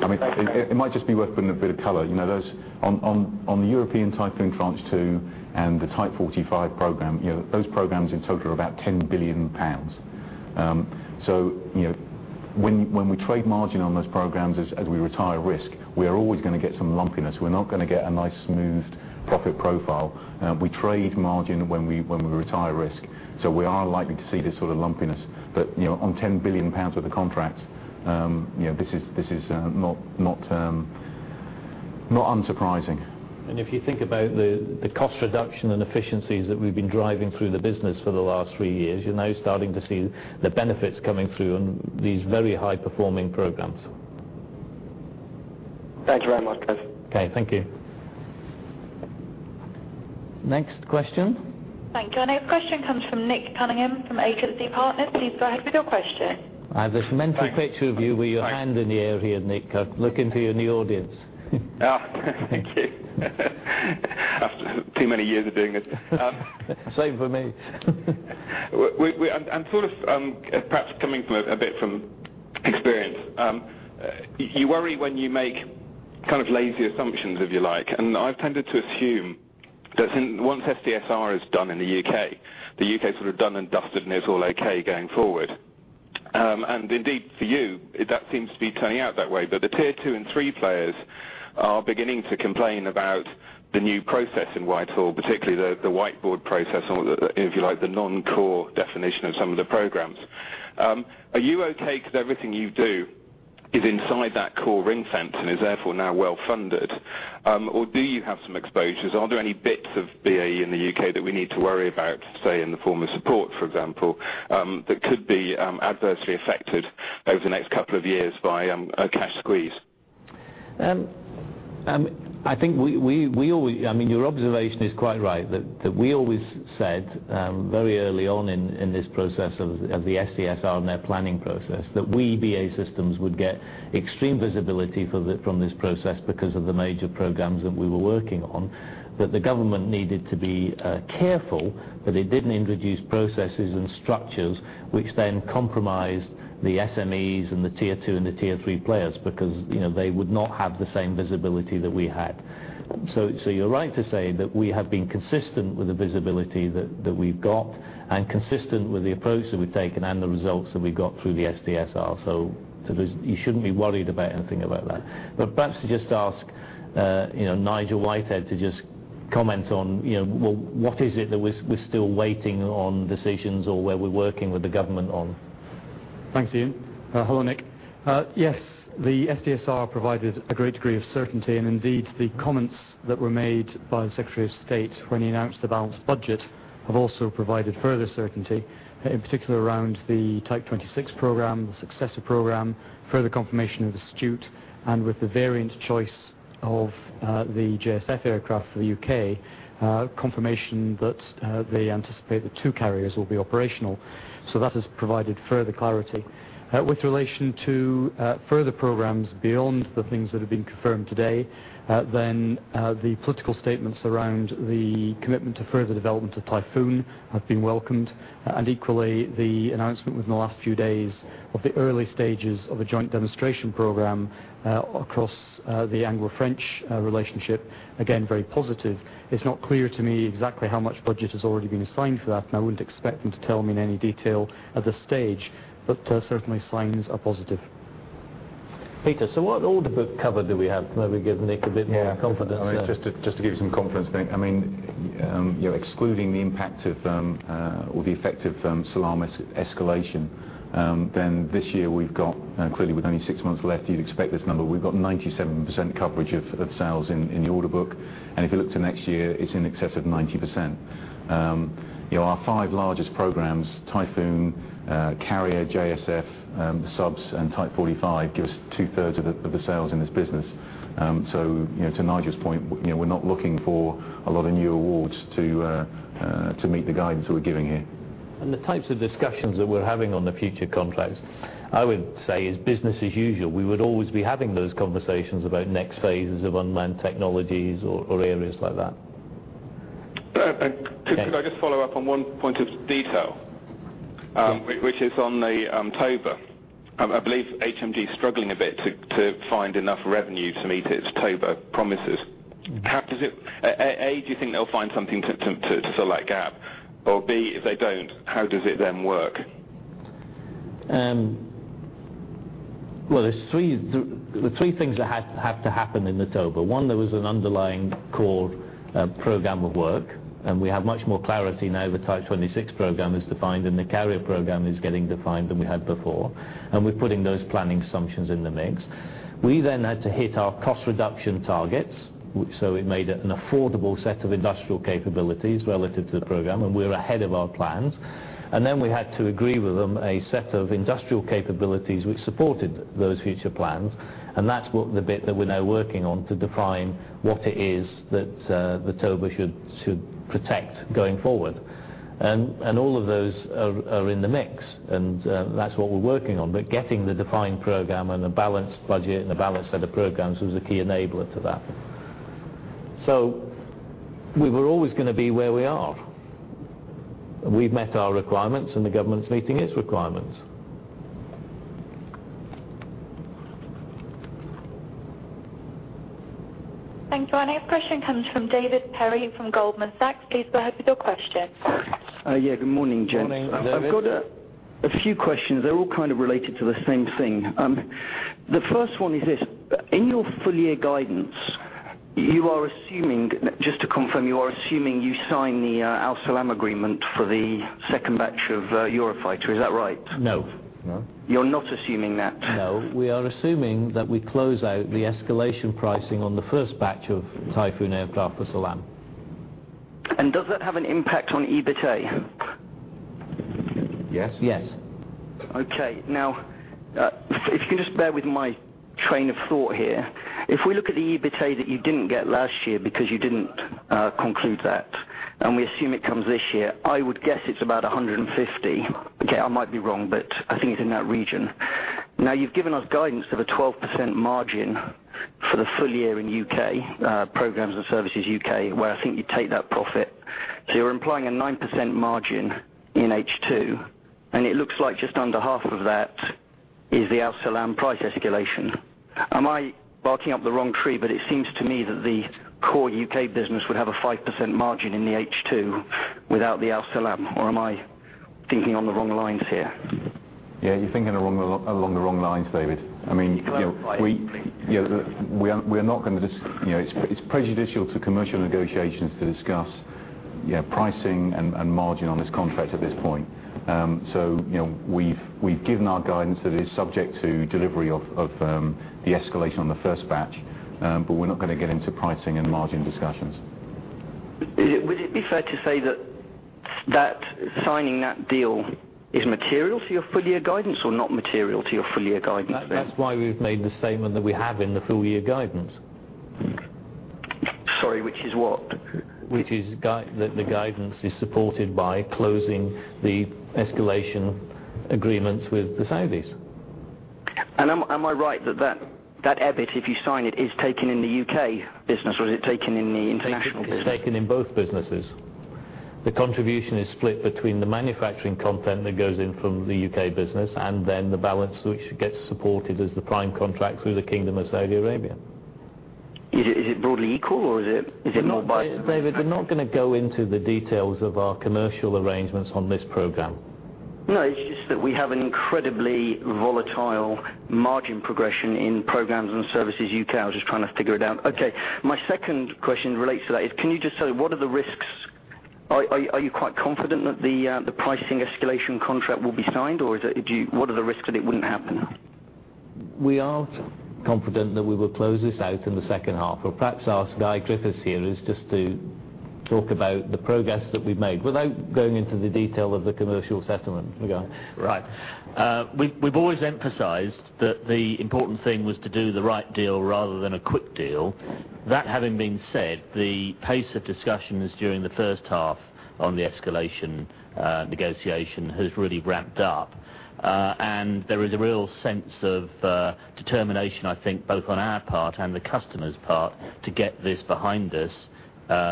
Speaker 1: Thank you.
Speaker 2: It might just be worth putting a bit of color. On the European Typhoon Tranche 2 and the Type 45 program, those programs in total are about 10 billion pounds. When we trade margin on those programs as we retire risk, we are always going to get some lumpiness. We're not going to get a nice smoothed profit profile. We trade margin when we retire risk, so we are likely to see this sort of lumpiness. On 10 billion pounds worth of contracts, this is not unsurprising.
Speaker 1: If you think about the cost reduction and efficiencies that we've been driving through the business for the last three years, you're now starting to see the benefits coming through on these very high-performing programs. Thanks very much, guys.
Speaker 2: Okay. Thank you.
Speaker 1: Next question.
Speaker 3: Thank you. Our next question comes from Nick Cunningham fromAgency Partners. Please go ahead with your question.
Speaker 1: I have this mental picture of you with your hand in the air here, Nick. I look into you in the audience.
Speaker 9: Thank you. After too many years of doing this.
Speaker 1: Same for me.
Speaker 9: Sort of perhaps coming a bit from experience, you worry when you make lazy assumptions, if you like, I've tended to assume that once SDSR is done in the U.K., the U.K.'s sort of done and dusted, and it's all okay going forward. Indeed for you, that seems to be turning out that way, but the Tier 2 and 3 players are beginning to complain about the new process in Whitehall, particularly the whiteboard process or, if you like, the non-core definition of some of the programs. Are you okay because everything you do is inside that core ring fence and is therefore now well-funded, or do you have some exposures? Are there any bits of BAE in the U.K. that we need to worry about, say in the form of support, for example, that could be adversely affected over the next couple of years by a cash squeeze?
Speaker 1: Your observation is quite right, that we always said very early on in this process of the SDSR and their planning process, that we, BAE Systems, would get extreme visibility from this process because of the major programs that we were working on, that the government needed to be careful that they didn't introduce processes and structures which then compromised the SMEs and the Tier 2 and the Tier 3 players because they would not have the same visibility that we had. You're right to say that we have been consistent with the visibility that we've got and consistent with the approach that we've taken and the results that we got through the SDSR. You shouldn't be worried about anything about that. Perhaps to just ask Nigel Whitehead to just comment on what is it that we're still waiting on decisions or where we're working with the government on.
Speaker 10: Thanks, Ian. Hello, Nick. Yes, the SDSR provided a great degree of certainty, and indeed, the comments that were made by the Secretary of State when he announced the balanced budget have also provided further certainty, in particular around the Type 26 program, the Successor program, further confirmation of Astute, and with the variant choice of the JSF aircraft for the U.K., confirmation that they anticipate that two carriers will be operational. That has provided further clarity. With relation to further programs beyond the things that have been confirmed today, the political statements around the commitment to further development of Typhoon have been welcomed, and equally, the announcement within the last few days of the early stages of a joint demonstration program across the Anglo-French relationship, again, very positive. It's not clear to me exactly how much budget has already been assigned for that, and I wouldn't expect them to tell me in any detail at this stage. Certainly signs are positive.
Speaker 1: Peter, what order book cover do we have? Maybe give Nick a bit more confidence there.
Speaker 2: Just to give you some confidence, Nick, excluding the impact of, or the effect of SALAM escalation, then this year we've got, clearly with only six months left, you'd expect this number. We've got 97% coverage of sales in the order book, and if you look to next year, it's in excess of 90%. Our five largest programs, Typhoon, Carrier, JSF, the subs, and Type 45, give us two-thirds of the sales in this business. To Nigel's point, we're not looking for a lot of new awards to meet the guidance that we're giving here.
Speaker 1: The types of discussions that we're having on the future contracts, I would say is business as usual. We would always be having those conversations about next phases of unmanned technologies or areas like that.
Speaker 9: Could I just follow up on one point of detail?
Speaker 1: Sure.
Speaker 9: Which is on the TOBA. I believe HMG is struggling a bit to find enough revenue to meet its TOBA promises. A, do you think they'll find something to fill that gap, or B, if they don't, how does it then work?
Speaker 1: Well, there's three things that have to happen in the TOBA. One, there was an underlying core program of work. We have much more clarity now the Type 26 Program is defined. The carrier program is getting defined than we had before. We're putting those planning assumptions in the mix. We then had to hit our cost reduction targets. We made an affordable set of industrial capabilities relative to the program. We're ahead of our plans. We had to agree with them a set of industrial capabilities which supported those future plans. That's the bit that we're now working on to define what it is that the TOBA should protect going forward. All of those are in the mix. That's what we're working on. Getting the defined program and a balanced budget and a balanced set of programs was a key enabler to that. We were always going to be where we are. We've met our requirements. The government's meeting its requirements.
Speaker 3: Thank you. Our next question comes from David Perry from Goldman Sachs. Please go ahead with your question.
Speaker 11: Yeah. Good morning, gents.
Speaker 1: Morning, David.
Speaker 11: I've got a few questions. They're all kind of related to the same thing. The first one is this. In your full-year guidance, just to confirm, you are assuming you sign the Salam agreement for the second batch of Eurofighter. Is that right?
Speaker 1: No.
Speaker 11: You're not assuming that?
Speaker 1: No, we are assuming that we close out the escalation pricing on the first batch of Typhoon aircraft for Salam.
Speaker 11: Does that have an impact on EBITA?
Speaker 1: Yes.
Speaker 12: Yes.
Speaker 11: Okay. If you can just bear with my train of thought here. If we look at the EBITA that you didn't get last year because you didn't conclude that, and we assume it comes this year, I would guess it's about 150. Okay, I might be wrong, but I think it's in that region. You've given us guidance of a 12% margin for the full year in U.K., Platforms and Services U.K., where I think you take that profit. You're implying a 9% margin in H2, and it looks like just under half of that is the Salam price escalation. Am I barking up the wrong tree, but it seems to me that the core U.K. business would have a 5% margin in the H2 without the Salam, or am I thinking on the wrong lines here?
Speaker 12: Yeah, you're thinking along the wrong lines, David.
Speaker 11: Well, okay.
Speaker 12: It's prejudicial to commercial negotiations to discuss pricing and margin on this contract at this point. We've given our guidance that is subject to delivery of the escalation on the first batch, but we're not going to get into pricing and margin discussions.
Speaker 11: Would it be fair to say that signing that deal is material to your full-year guidance or not material to your full-year guidance then?
Speaker 1: That's why we've made the statement that we have in the full-year guidance.
Speaker 11: Sorry, which is what?
Speaker 1: The guidance is supported by closing the escalation agreements with the Saudis.
Speaker 11: Am I right that EBIT, if you sign it, is taken in the U.K. business, or is it taken in the international business?
Speaker 1: It's taken in both businesses. The contribution is split between the manufacturing content that goes in from the U.K. business and then the balance which gets supported as the prime contract through the Kingdom of Saudi Arabia.
Speaker 11: Is it broadly equal, or is it more by-
Speaker 1: David, we're not going to go into the details of our commercial arrangements on this program.
Speaker 11: It's just that we have an incredibly volatile margin progression in Platforms and Services UK. I was just trying to figure it out. Okay. My second question relates to that. Can you just tell me what are the risks? Are you quite confident that the pricing escalation contract will be signed, or what are the risks that it wouldn't happen?
Speaker 1: We are confident that we will close this out in the second half. Perhaps ask Guy Griffiths here just to talk about the progress that we've made without going into the detail of the commercial settlement. Guy?
Speaker 12: Right. We've always emphasized that the important thing was to do the right deal rather than a quick deal. That having been said, the pace of discussions during the first half on the escalation negotiation has really ramped up. There is a real sense of determination, I think, both on our part and the customer's part, to get this behind us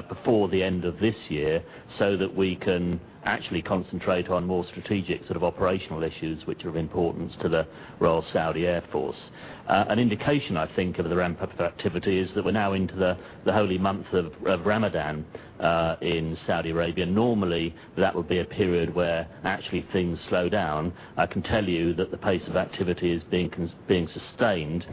Speaker 12: before the end of this year so that we can actually concentrate on more strategic operational issues which are of importance to the Royal Saudi Air Force. An indication, I think, of the ramp-up of activity is that we're now into the holy month of Ramadan in Saudi Arabia. Normally, that would be a period where actually things slow down. I can tell you that the pace of activity is being sustained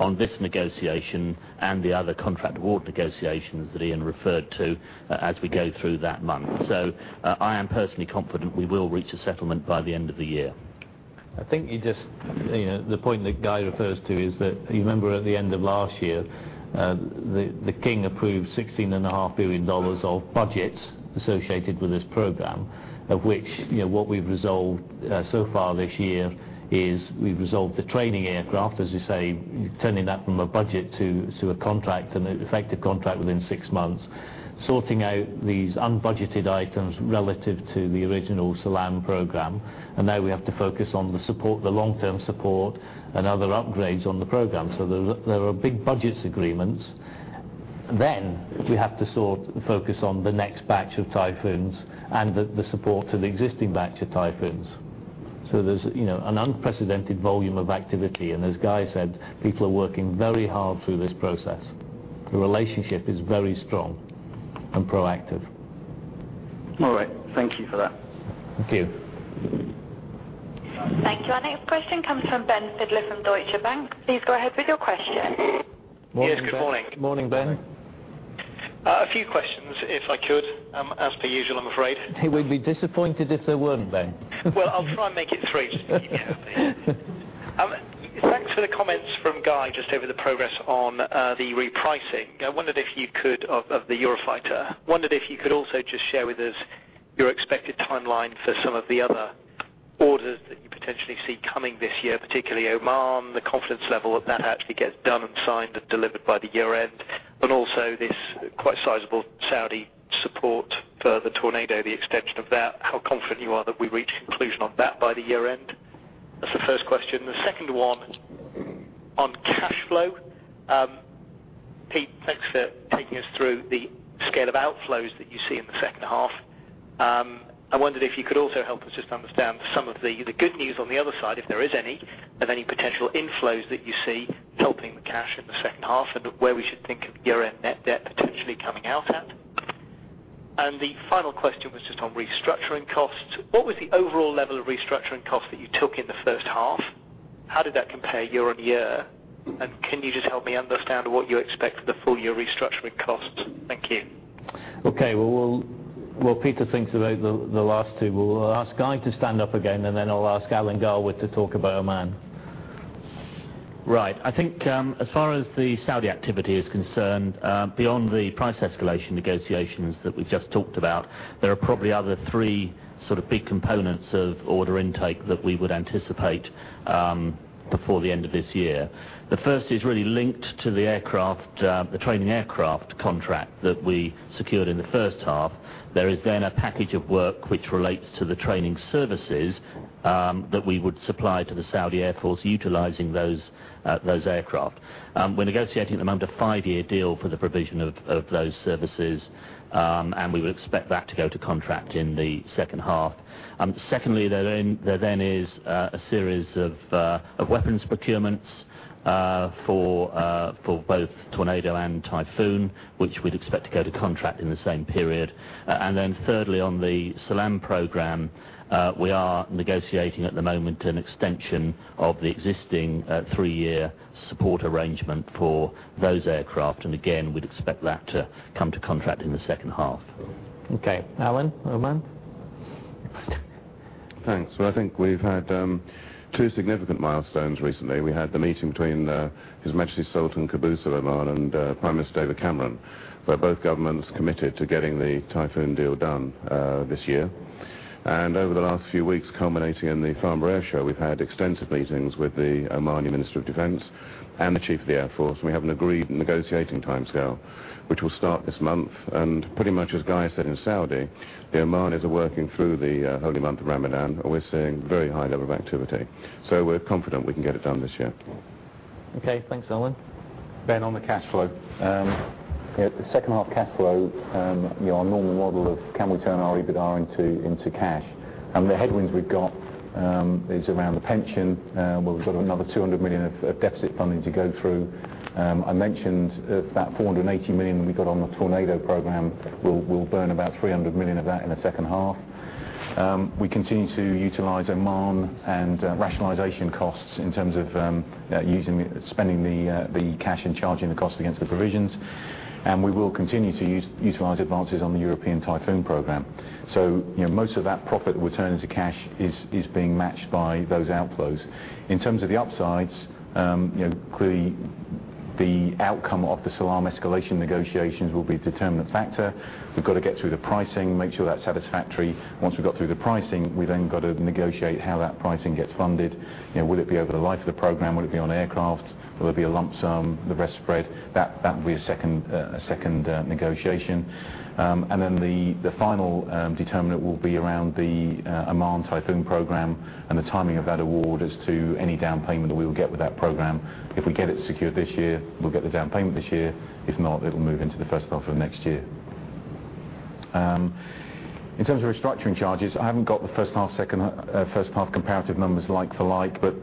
Speaker 12: on this negotiation and the other contract award negotiations that Ian referred to as we go through that month. I am personally confident we will reach a settlement by the end of the year.
Speaker 1: The point that Guy refers to is that, you remember at the end of last year, the King approved GBP 16.5 billion of budget associated with this Program, of which what we've resolved so far this year is we've resolved the training aircraft, as we say, turning that from a budget to a contract and an effective contract within six months, sorting out these unbudgeted items relative to the original Salam Program. Now we have to focus on the long-term support and other upgrades on the Program. There are big budget agreements. We have to focus on the next batch of Typhoons and the support of the existing batch of Typhoons. There's an unprecedented volume of activity. As Guy said, people are working very hard through this process. The relationship is very strong and proactive.
Speaker 11: All right. Thank you for that.
Speaker 1: Thank you.
Speaker 3: Thank you. Our next question comes from Ben Fidler from Deutsche Bank. Please go ahead with your question.
Speaker 13: Morning, guys.
Speaker 12: Morning, Ben.
Speaker 13: A few questions, if I could, as per usual, I'm afraid.
Speaker 1: We'd be disappointed if there weren't, Ben.
Speaker 13: I'll try and make it three. Thanks for the comments from Guy just over the progress on the repricing of the Eurofighter. I wondered if you could also just share with us your expected timeline for some of the other orders that you potentially see coming this year, particularly Oman, the confidence level that actually gets done and signed and delivered by the year-end, and also this quite sizable Saudi support for the Tornado, the extension of that, how confident you are that we reach conclusion on that by the year-end? The first question. The second one on cash flow. Pete, thanks for taking us through the scale of outflows that you see in the second half. I wondered if you could also help us just understand some of the good news on the other side, if there is any, of any potential inflows that you see helping the cash in the second half, and where we should think of year-end net debt potentially coming out at. The final question was just on restructuring costs. What was the overall level of restructuring costs that you took in the first half? How did that compare year-on-year? Can you just help me understand what you expect for the full-year restructuring costs? Thank you.
Speaker 1: Okay. While Peter thinks about the last two, we will ask Guy to stand up again, then I will ask Alan Garwood to talk about Oman.
Speaker 12: Right. I think as far as the Saudi activity is concerned, beyond the price escalation negotiations that we have just talked about, there are probably other three big components of order intake that we would anticipate before the end of this year. The first is really linked to the training aircraft contract that we secured in the first half. There is then a package of work which relates to the training services that we would supply to the Saudi Air Force utilizing those aircraft. We are negotiating at the moment a five-year deal for the provision of those services, and we would expect that to go to contract in the second half. Secondly, there then is a series of weapons procurements for both Tornado and Typhoon, which we would expect to go to contract in the same period. Thirdly, on the Salam Program, we are negotiating at the moment an extension of the existing three-year support arrangement for those aircraft, and again, we would expect that to come to contract in the second half.
Speaker 1: Okay. Alan, Oman?
Speaker 14: Thanks. Well, I think we've had two significant milestones recently. We had the meeting between His Majesty Sultan Qaboos of Oman and Prime Minister David Cameron, where both governments committed to getting the Typhoon deal done this year. Over the last few weeks, culminating in the Farnborough Airshow, we've had extensive meetings with the Omani Minister of Defense and the Chief of the Air Force, and we have an agreed negotiating timescale, which will start this month. Pretty much as Guy said in Saudi, the Omanis are working through the holy month of Ramadan, and we're seeing a very high level of activity. We're confident we can get it done this year.
Speaker 1: Okay. Thanks, Alan. Ben, on the cash flow.
Speaker 2: Yeah. The second-half cash flow, our normal model of can we turn our EBITDA into cash. The headwinds we've got is around the pension, where we've got another 200 million of deficit funding to go through. I mentioned about 480 million that we got on the Tornado program. We'll burn about 300 million of that in the second half. We continue to utilize Oman and rationalization costs in terms of spending the cash and charging the cost against the provisions. We will continue to utilize advances on the European Typhoon program. Most of that profit that we turn into cash is being matched by those outflows. In terms of the upsides, clearly, the outcome of the Salam escalation negotiations will be a determinant factor. We've got to get through the pricing, make sure that's satisfactory. Once we've got through the pricing, we've then got to negotiate how that pricing gets funded. Will it be over the life of the program? Will it be on aircraft? Will it be a lump sum, the rest spread? That will be a second negotiation. Then the final determinant will be around the Oman Typhoon program and the timing of that award as to any down payment that we will get with that program. If we get it secured this year, we'll get the down payment this year. If not, it'll move into the first half of next year. In terms of restructuring charges, I haven't got the first half comparative numbers like for like, but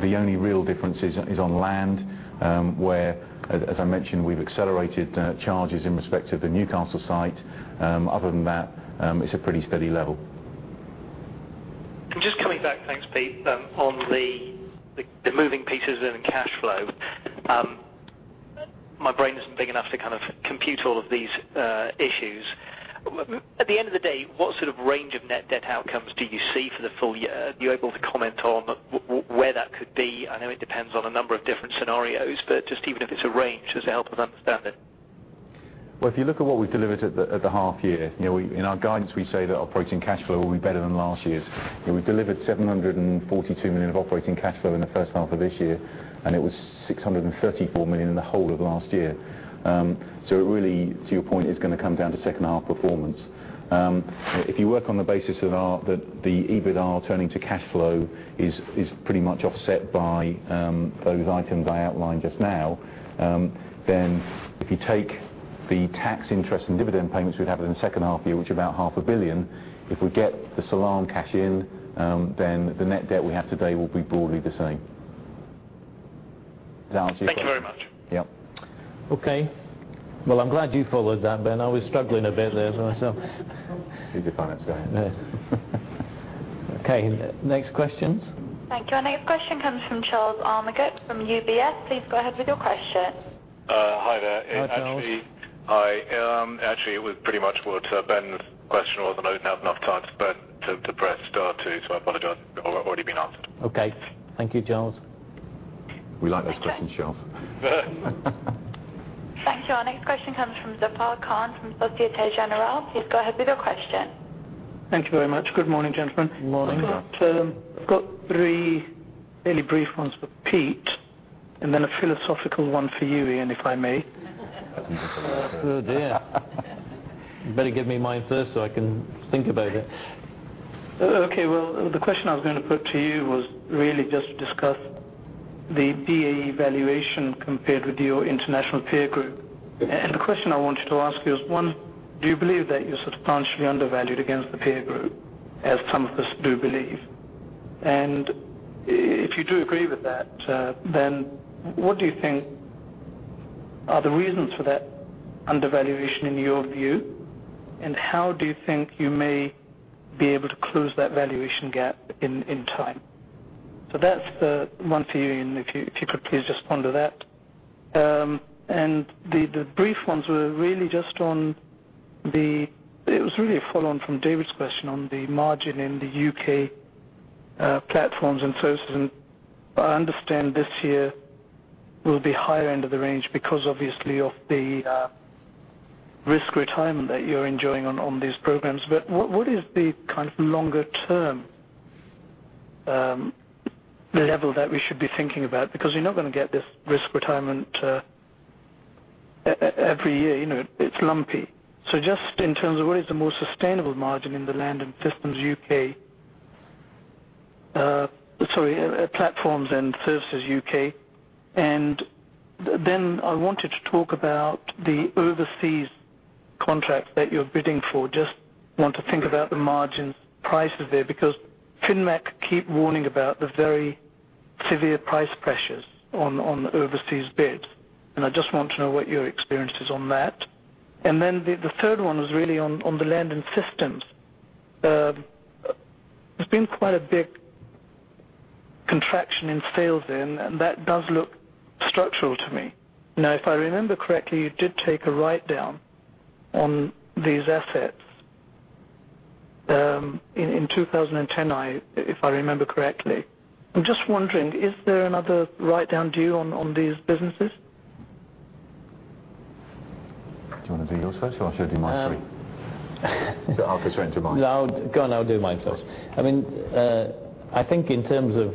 Speaker 2: the only real difference is on land, where, as I mentioned, we've accelerated charges in respect of the Newcastle site. Other than that, it's a pretty steady level.
Speaker 13: Just coming back, thanks, Pete, on the moving pieces in cash flow. My brain isn't big enough to compute all of these issues. At the end of the day, what sort of range of net debt outcomes do you see for the full year? Are you able to comment on where that could be? I know it depends on a number of different scenarios, but just even if it's a range, just to help with understanding.
Speaker 2: If you look at what we delivered at the half year, in our guidance, we say that operating cash flow will be better than last year's. We delivered 742 million of operating cash flow in the first half of this year, and it was 634 million in the whole of last year. It really, to your point, is going to come down to second-half performance. If you work on the basis that the EBITDA turning to cash flow is pretty much offset by those items I outlined just now, if you take the tax interest and dividend payments we'd have in the second half year, which are about half a billion, if we get the Salam cash in, the net debt we have today will be broadly the same. Does that answer your question?
Speaker 13: Thank you very much.
Speaker 2: Yep.
Speaker 1: I'm glad you followed that, Ben. I was struggling a bit there for myself.
Speaker 2: It's a fine exercise.
Speaker 1: Yes. Okay. Next questions.
Speaker 3: Thank you. Our next question comes from Charles Armitage from UBS. Please go ahead with your question.
Speaker 15: Hi there.
Speaker 1: Hi, Charles.
Speaker 15: Actually, hi. Actually, it was pretty much what Ben's question was, and I didn't have enough time to press star two. I apologize. It has already been answered.
Speaker 1: Okay. Thank you, Charles.
Speaker 2: We like those questions, Charles.
Speaker 3: Thank you. Our next question comes from Zafar Khan from Societe Generale. Please go ahead with your question.
Speaker 16: Thank you very much. Good morning, gentlemen.
Speaker 1: Morning.
Speaker 16: I've got three fairly brief ones for Pete. A philosophical one for you, Ian, if I may.
Speaker 1: Oh, dear.
Speaker 2: You better give me mine first so I can think about it.
Speaker 16: Okay. Well, the question I was going to put to you was really just to discuss the BAE valuation compared with your international peer group. The question I wanted to ask you is, one, do you believe that you're substantially undervalued against the peer group, as some of us do believe? If you do agree with that, what do you think are the reasons for that undervaluation in your view, and how do you think you may be able to close that valuation gap in time? That's the one for you, Ian, if you could please just ponder that. The brief ones were really just on the It was really a follow-on from David's question on the margin in the Platforms and Services UK. I understand this year will be higher end of the range because obviously of the risk retirement that you're enjoying on these programs. What is the kind of longer-term level that we should be thinking about? Because you're not going to get this risk retirement every year. It's lumpy. Just in terms of what is the more sustainable margin in the Platforms and Services UK. I wanted to talk about the overseas contracts that you're bidding for. Just want to think about the margins prices there, because Finmec keep warning about the very severe price pressures on overseas bids, and I just want to know what your experience is on that. The third one was really on the Land and Systems. There's been quite a big contraction in sales there, and that does look structural to me. If I remember correctly, you did take a write-down on these assets in 2010, if I remember correctly. I'm just wondering, is there another write-down due on these businesses?
Speaker 2: Do you want to do yours first, or should I do my three? I'll constraint to mine.
Speaker 1: Go on, I'll do mine first. I think in terms of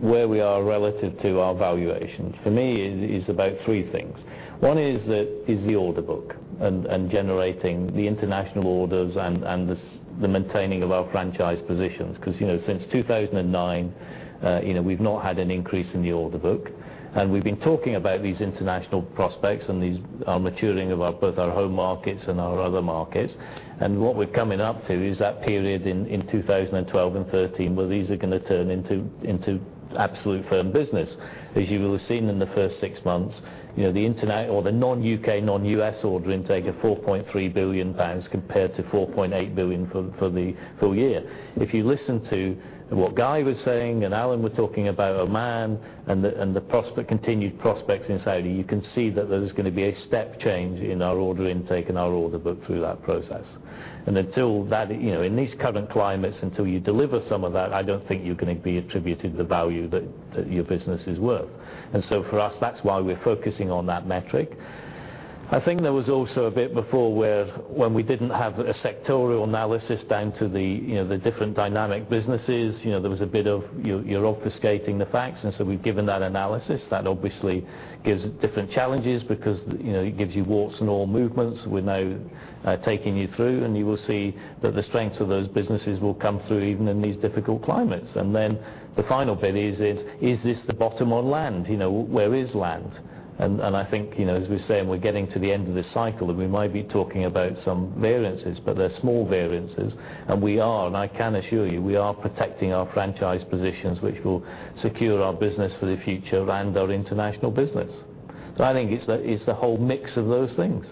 Speaker 1: where we are relative to our valuation, for me, it is about three things. One is the order book and generating the international orders and the maintaining of our franchise positions, because since 2009, we've not had an increase in the order book. We've been talking about these international prospects and these maturing of both our home markets and our other markets. What we're coming up to is that period in 2012 and 2013 where these are going to turn into absolute firm business. As you will have seen in the first six months, the non-U.K., non-U.S. order intake of 4.3 billion pounds compared to 4.8 billion for the full year. If you listen to what Guy was saying and Alan were talking about Oman and the continued prospects in Saudi, you can see that there's going to be a step change in our order intake and our order book through that process. Until that, in these current climates, until you deliver some of that, I don't think you're going to be attributed the value that your business is worth. For us, that's why we're focusing on that metric. I think there was also a bit before where when we didn't have a sectorial analysis down to the different dynamic businesses, there was a bit of you're obfuscating the facts, we've given that analysis. That obviously gives different challenges because it gives you warts and all movements. We're now taking you through, and you will see that the strengths of those businesses will come through even in these difficult climates. The final bit is this the bottom on land? Where is land? I think, as we say, we're getting to the end of this cycle, and we might be talking about some variances, but they're small variances. We are, I can assure you, we are protecting our franchise positions, which will secure our business for the future and our international business. I think it's the whole mix of those things.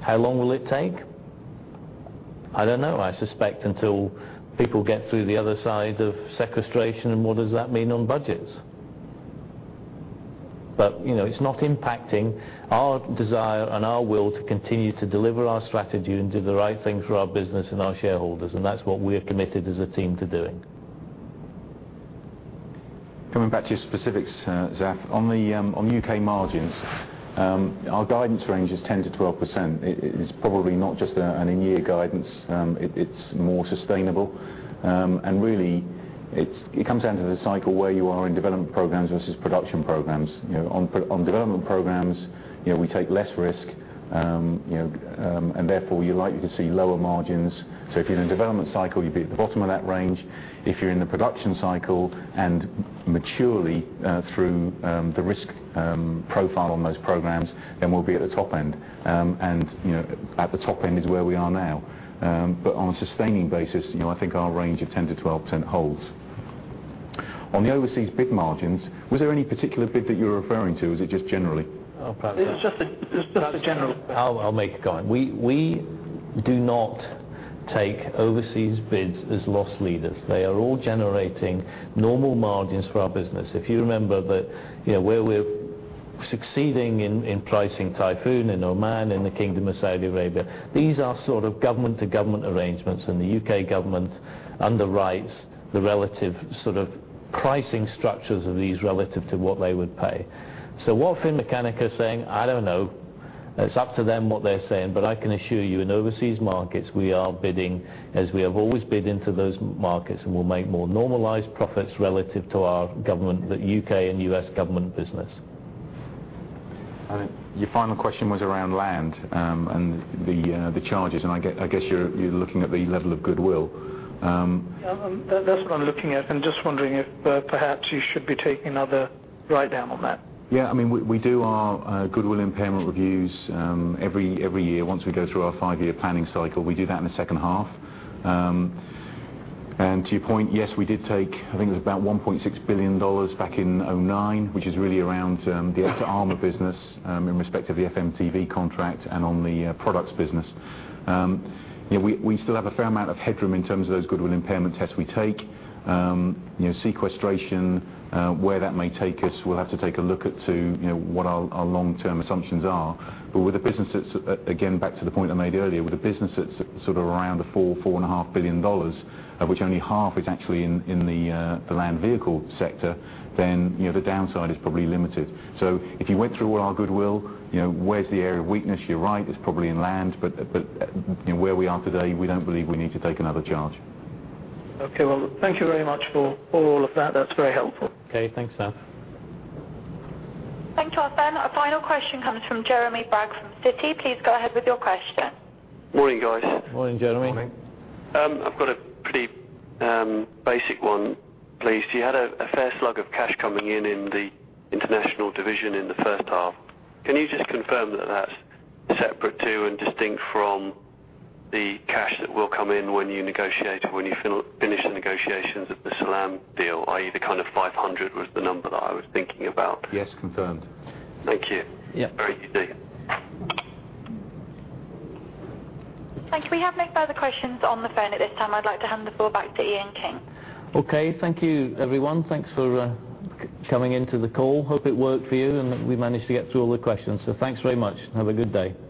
Speaker 1: How long will it take? I don't know. I suspect until people get through the other side of sequestration and what does that mean on budgets. It's not impacting our desire and our will to continue to deliver our strategy and do the right thing for our business and our shareholders. That's what we're committed as a team to doing.
Speaker 2: Coming back to your specifics, Zaf, on U.K. margins, our guidance range is 10%-12%. It is probably not just an in-year guidance. It's more sustainable. Really, it comes down to the cycle where you are in development programs versus production programs. On development programs, we take less risk, and therefore, you're likely to see lower margins. If you're in a development cycle, you'd be at the bottom of that range. If you're in the production cycle and maturely through the risk profile on those programs, then we'll be at the top end. At the top end is where we are now. On a sustaining basis, I think our range of 10%-12% holds. On the overseas bid margins, was there any particular bid that you're referring to, or is it just generally?
Speaker 1: I'll pass that.
Speaker 16: It was just a general-.
Speaker 1: I'll make a comment. We do not take overseas bids as loss leaders. They are all generating normal margins for our business. If you remember that where we're succeeding in pricing Typhoon in Oman, in the Kingdom of Saudi Arabia, these are sort of government-to-government arrangements, and the U.K. government underwrites the relative sort of pricing structures of these relative to what they would pay. What Finmeccanica is saying, I don't know. It's up to them what they're saying, but I can assure you, in overseas markets, we are bidding as we have always bid into those markets, and we'll make more normalized profits relative to our government, the U.K. and U.S. government business.
Speaker 2: Your final question was around Land and the charges, and I guess you're looking at the level of goodwill.
Speaker 16: That's what I'm looking at, and just wondering if perhaps you should be taking another write-down on that.
Speaker 2: We do our goodwill impairment reviews every year. Once we go through our five-year planning cycle, we do that in the second half. To your point, yes, we did take, I think it was about GBP 1.6 billion back in 2009, which is really around the Armor Holdings business in respect of the FMTV contract and on the products business. We still have a fair amount of headroom in terms of those goodwill impairment tests we take. Sequestration, where that may take us, we'll have to take a look at to what our long-term assumptions are. With the businesses, again, back to the point I made earlier, with the businesses sort of around the GBP 4 billion, GBP 4.5 billion, of which only half is actually in the land vehicle sector, the downside is probably limited. If you went through all our goodwill, where's the area of weakness? You're right, it's probably in land, but where we are today, we don't believe we need to take another charge.
Speaker 16: Thank you very much for all of that. That's very helpful.
Speaker 1: Thanks, Zaf.
Speaker 3: Thank you, Zaf. Our final question comes from Jeremy Bragg from Citi. Please go ahead with your question.
Speaker 17: Morning, guys.
Speaker 1: Morning, Jeremy.
Speaker 2: Morning.
Speaker 17: I've got a pretty basic one, please. You had a fair slug of cash coming in in the international division in the first half. Can you just confirm that that's separate to and distinct from the cash that will come in when you finish the negotiations of the Salam deal? I.e., the kind of 500 was the number that I was thinking about.
Speaker 2: Yes, confirmed.
Speaker 17: Thank you.
Speaker 1: Yeah.
Speaker 17: Very easy.
Speaker 3: Thank you. We have no further questions on the phone at this time. I'd like to hand the floor back to Ian King.
Speaker 1: Okay. Thank you, everyone. Thanks for coming into the call. Hope it worked for you, and that we managed to get through all the questions. Thanks very much. Have a good day.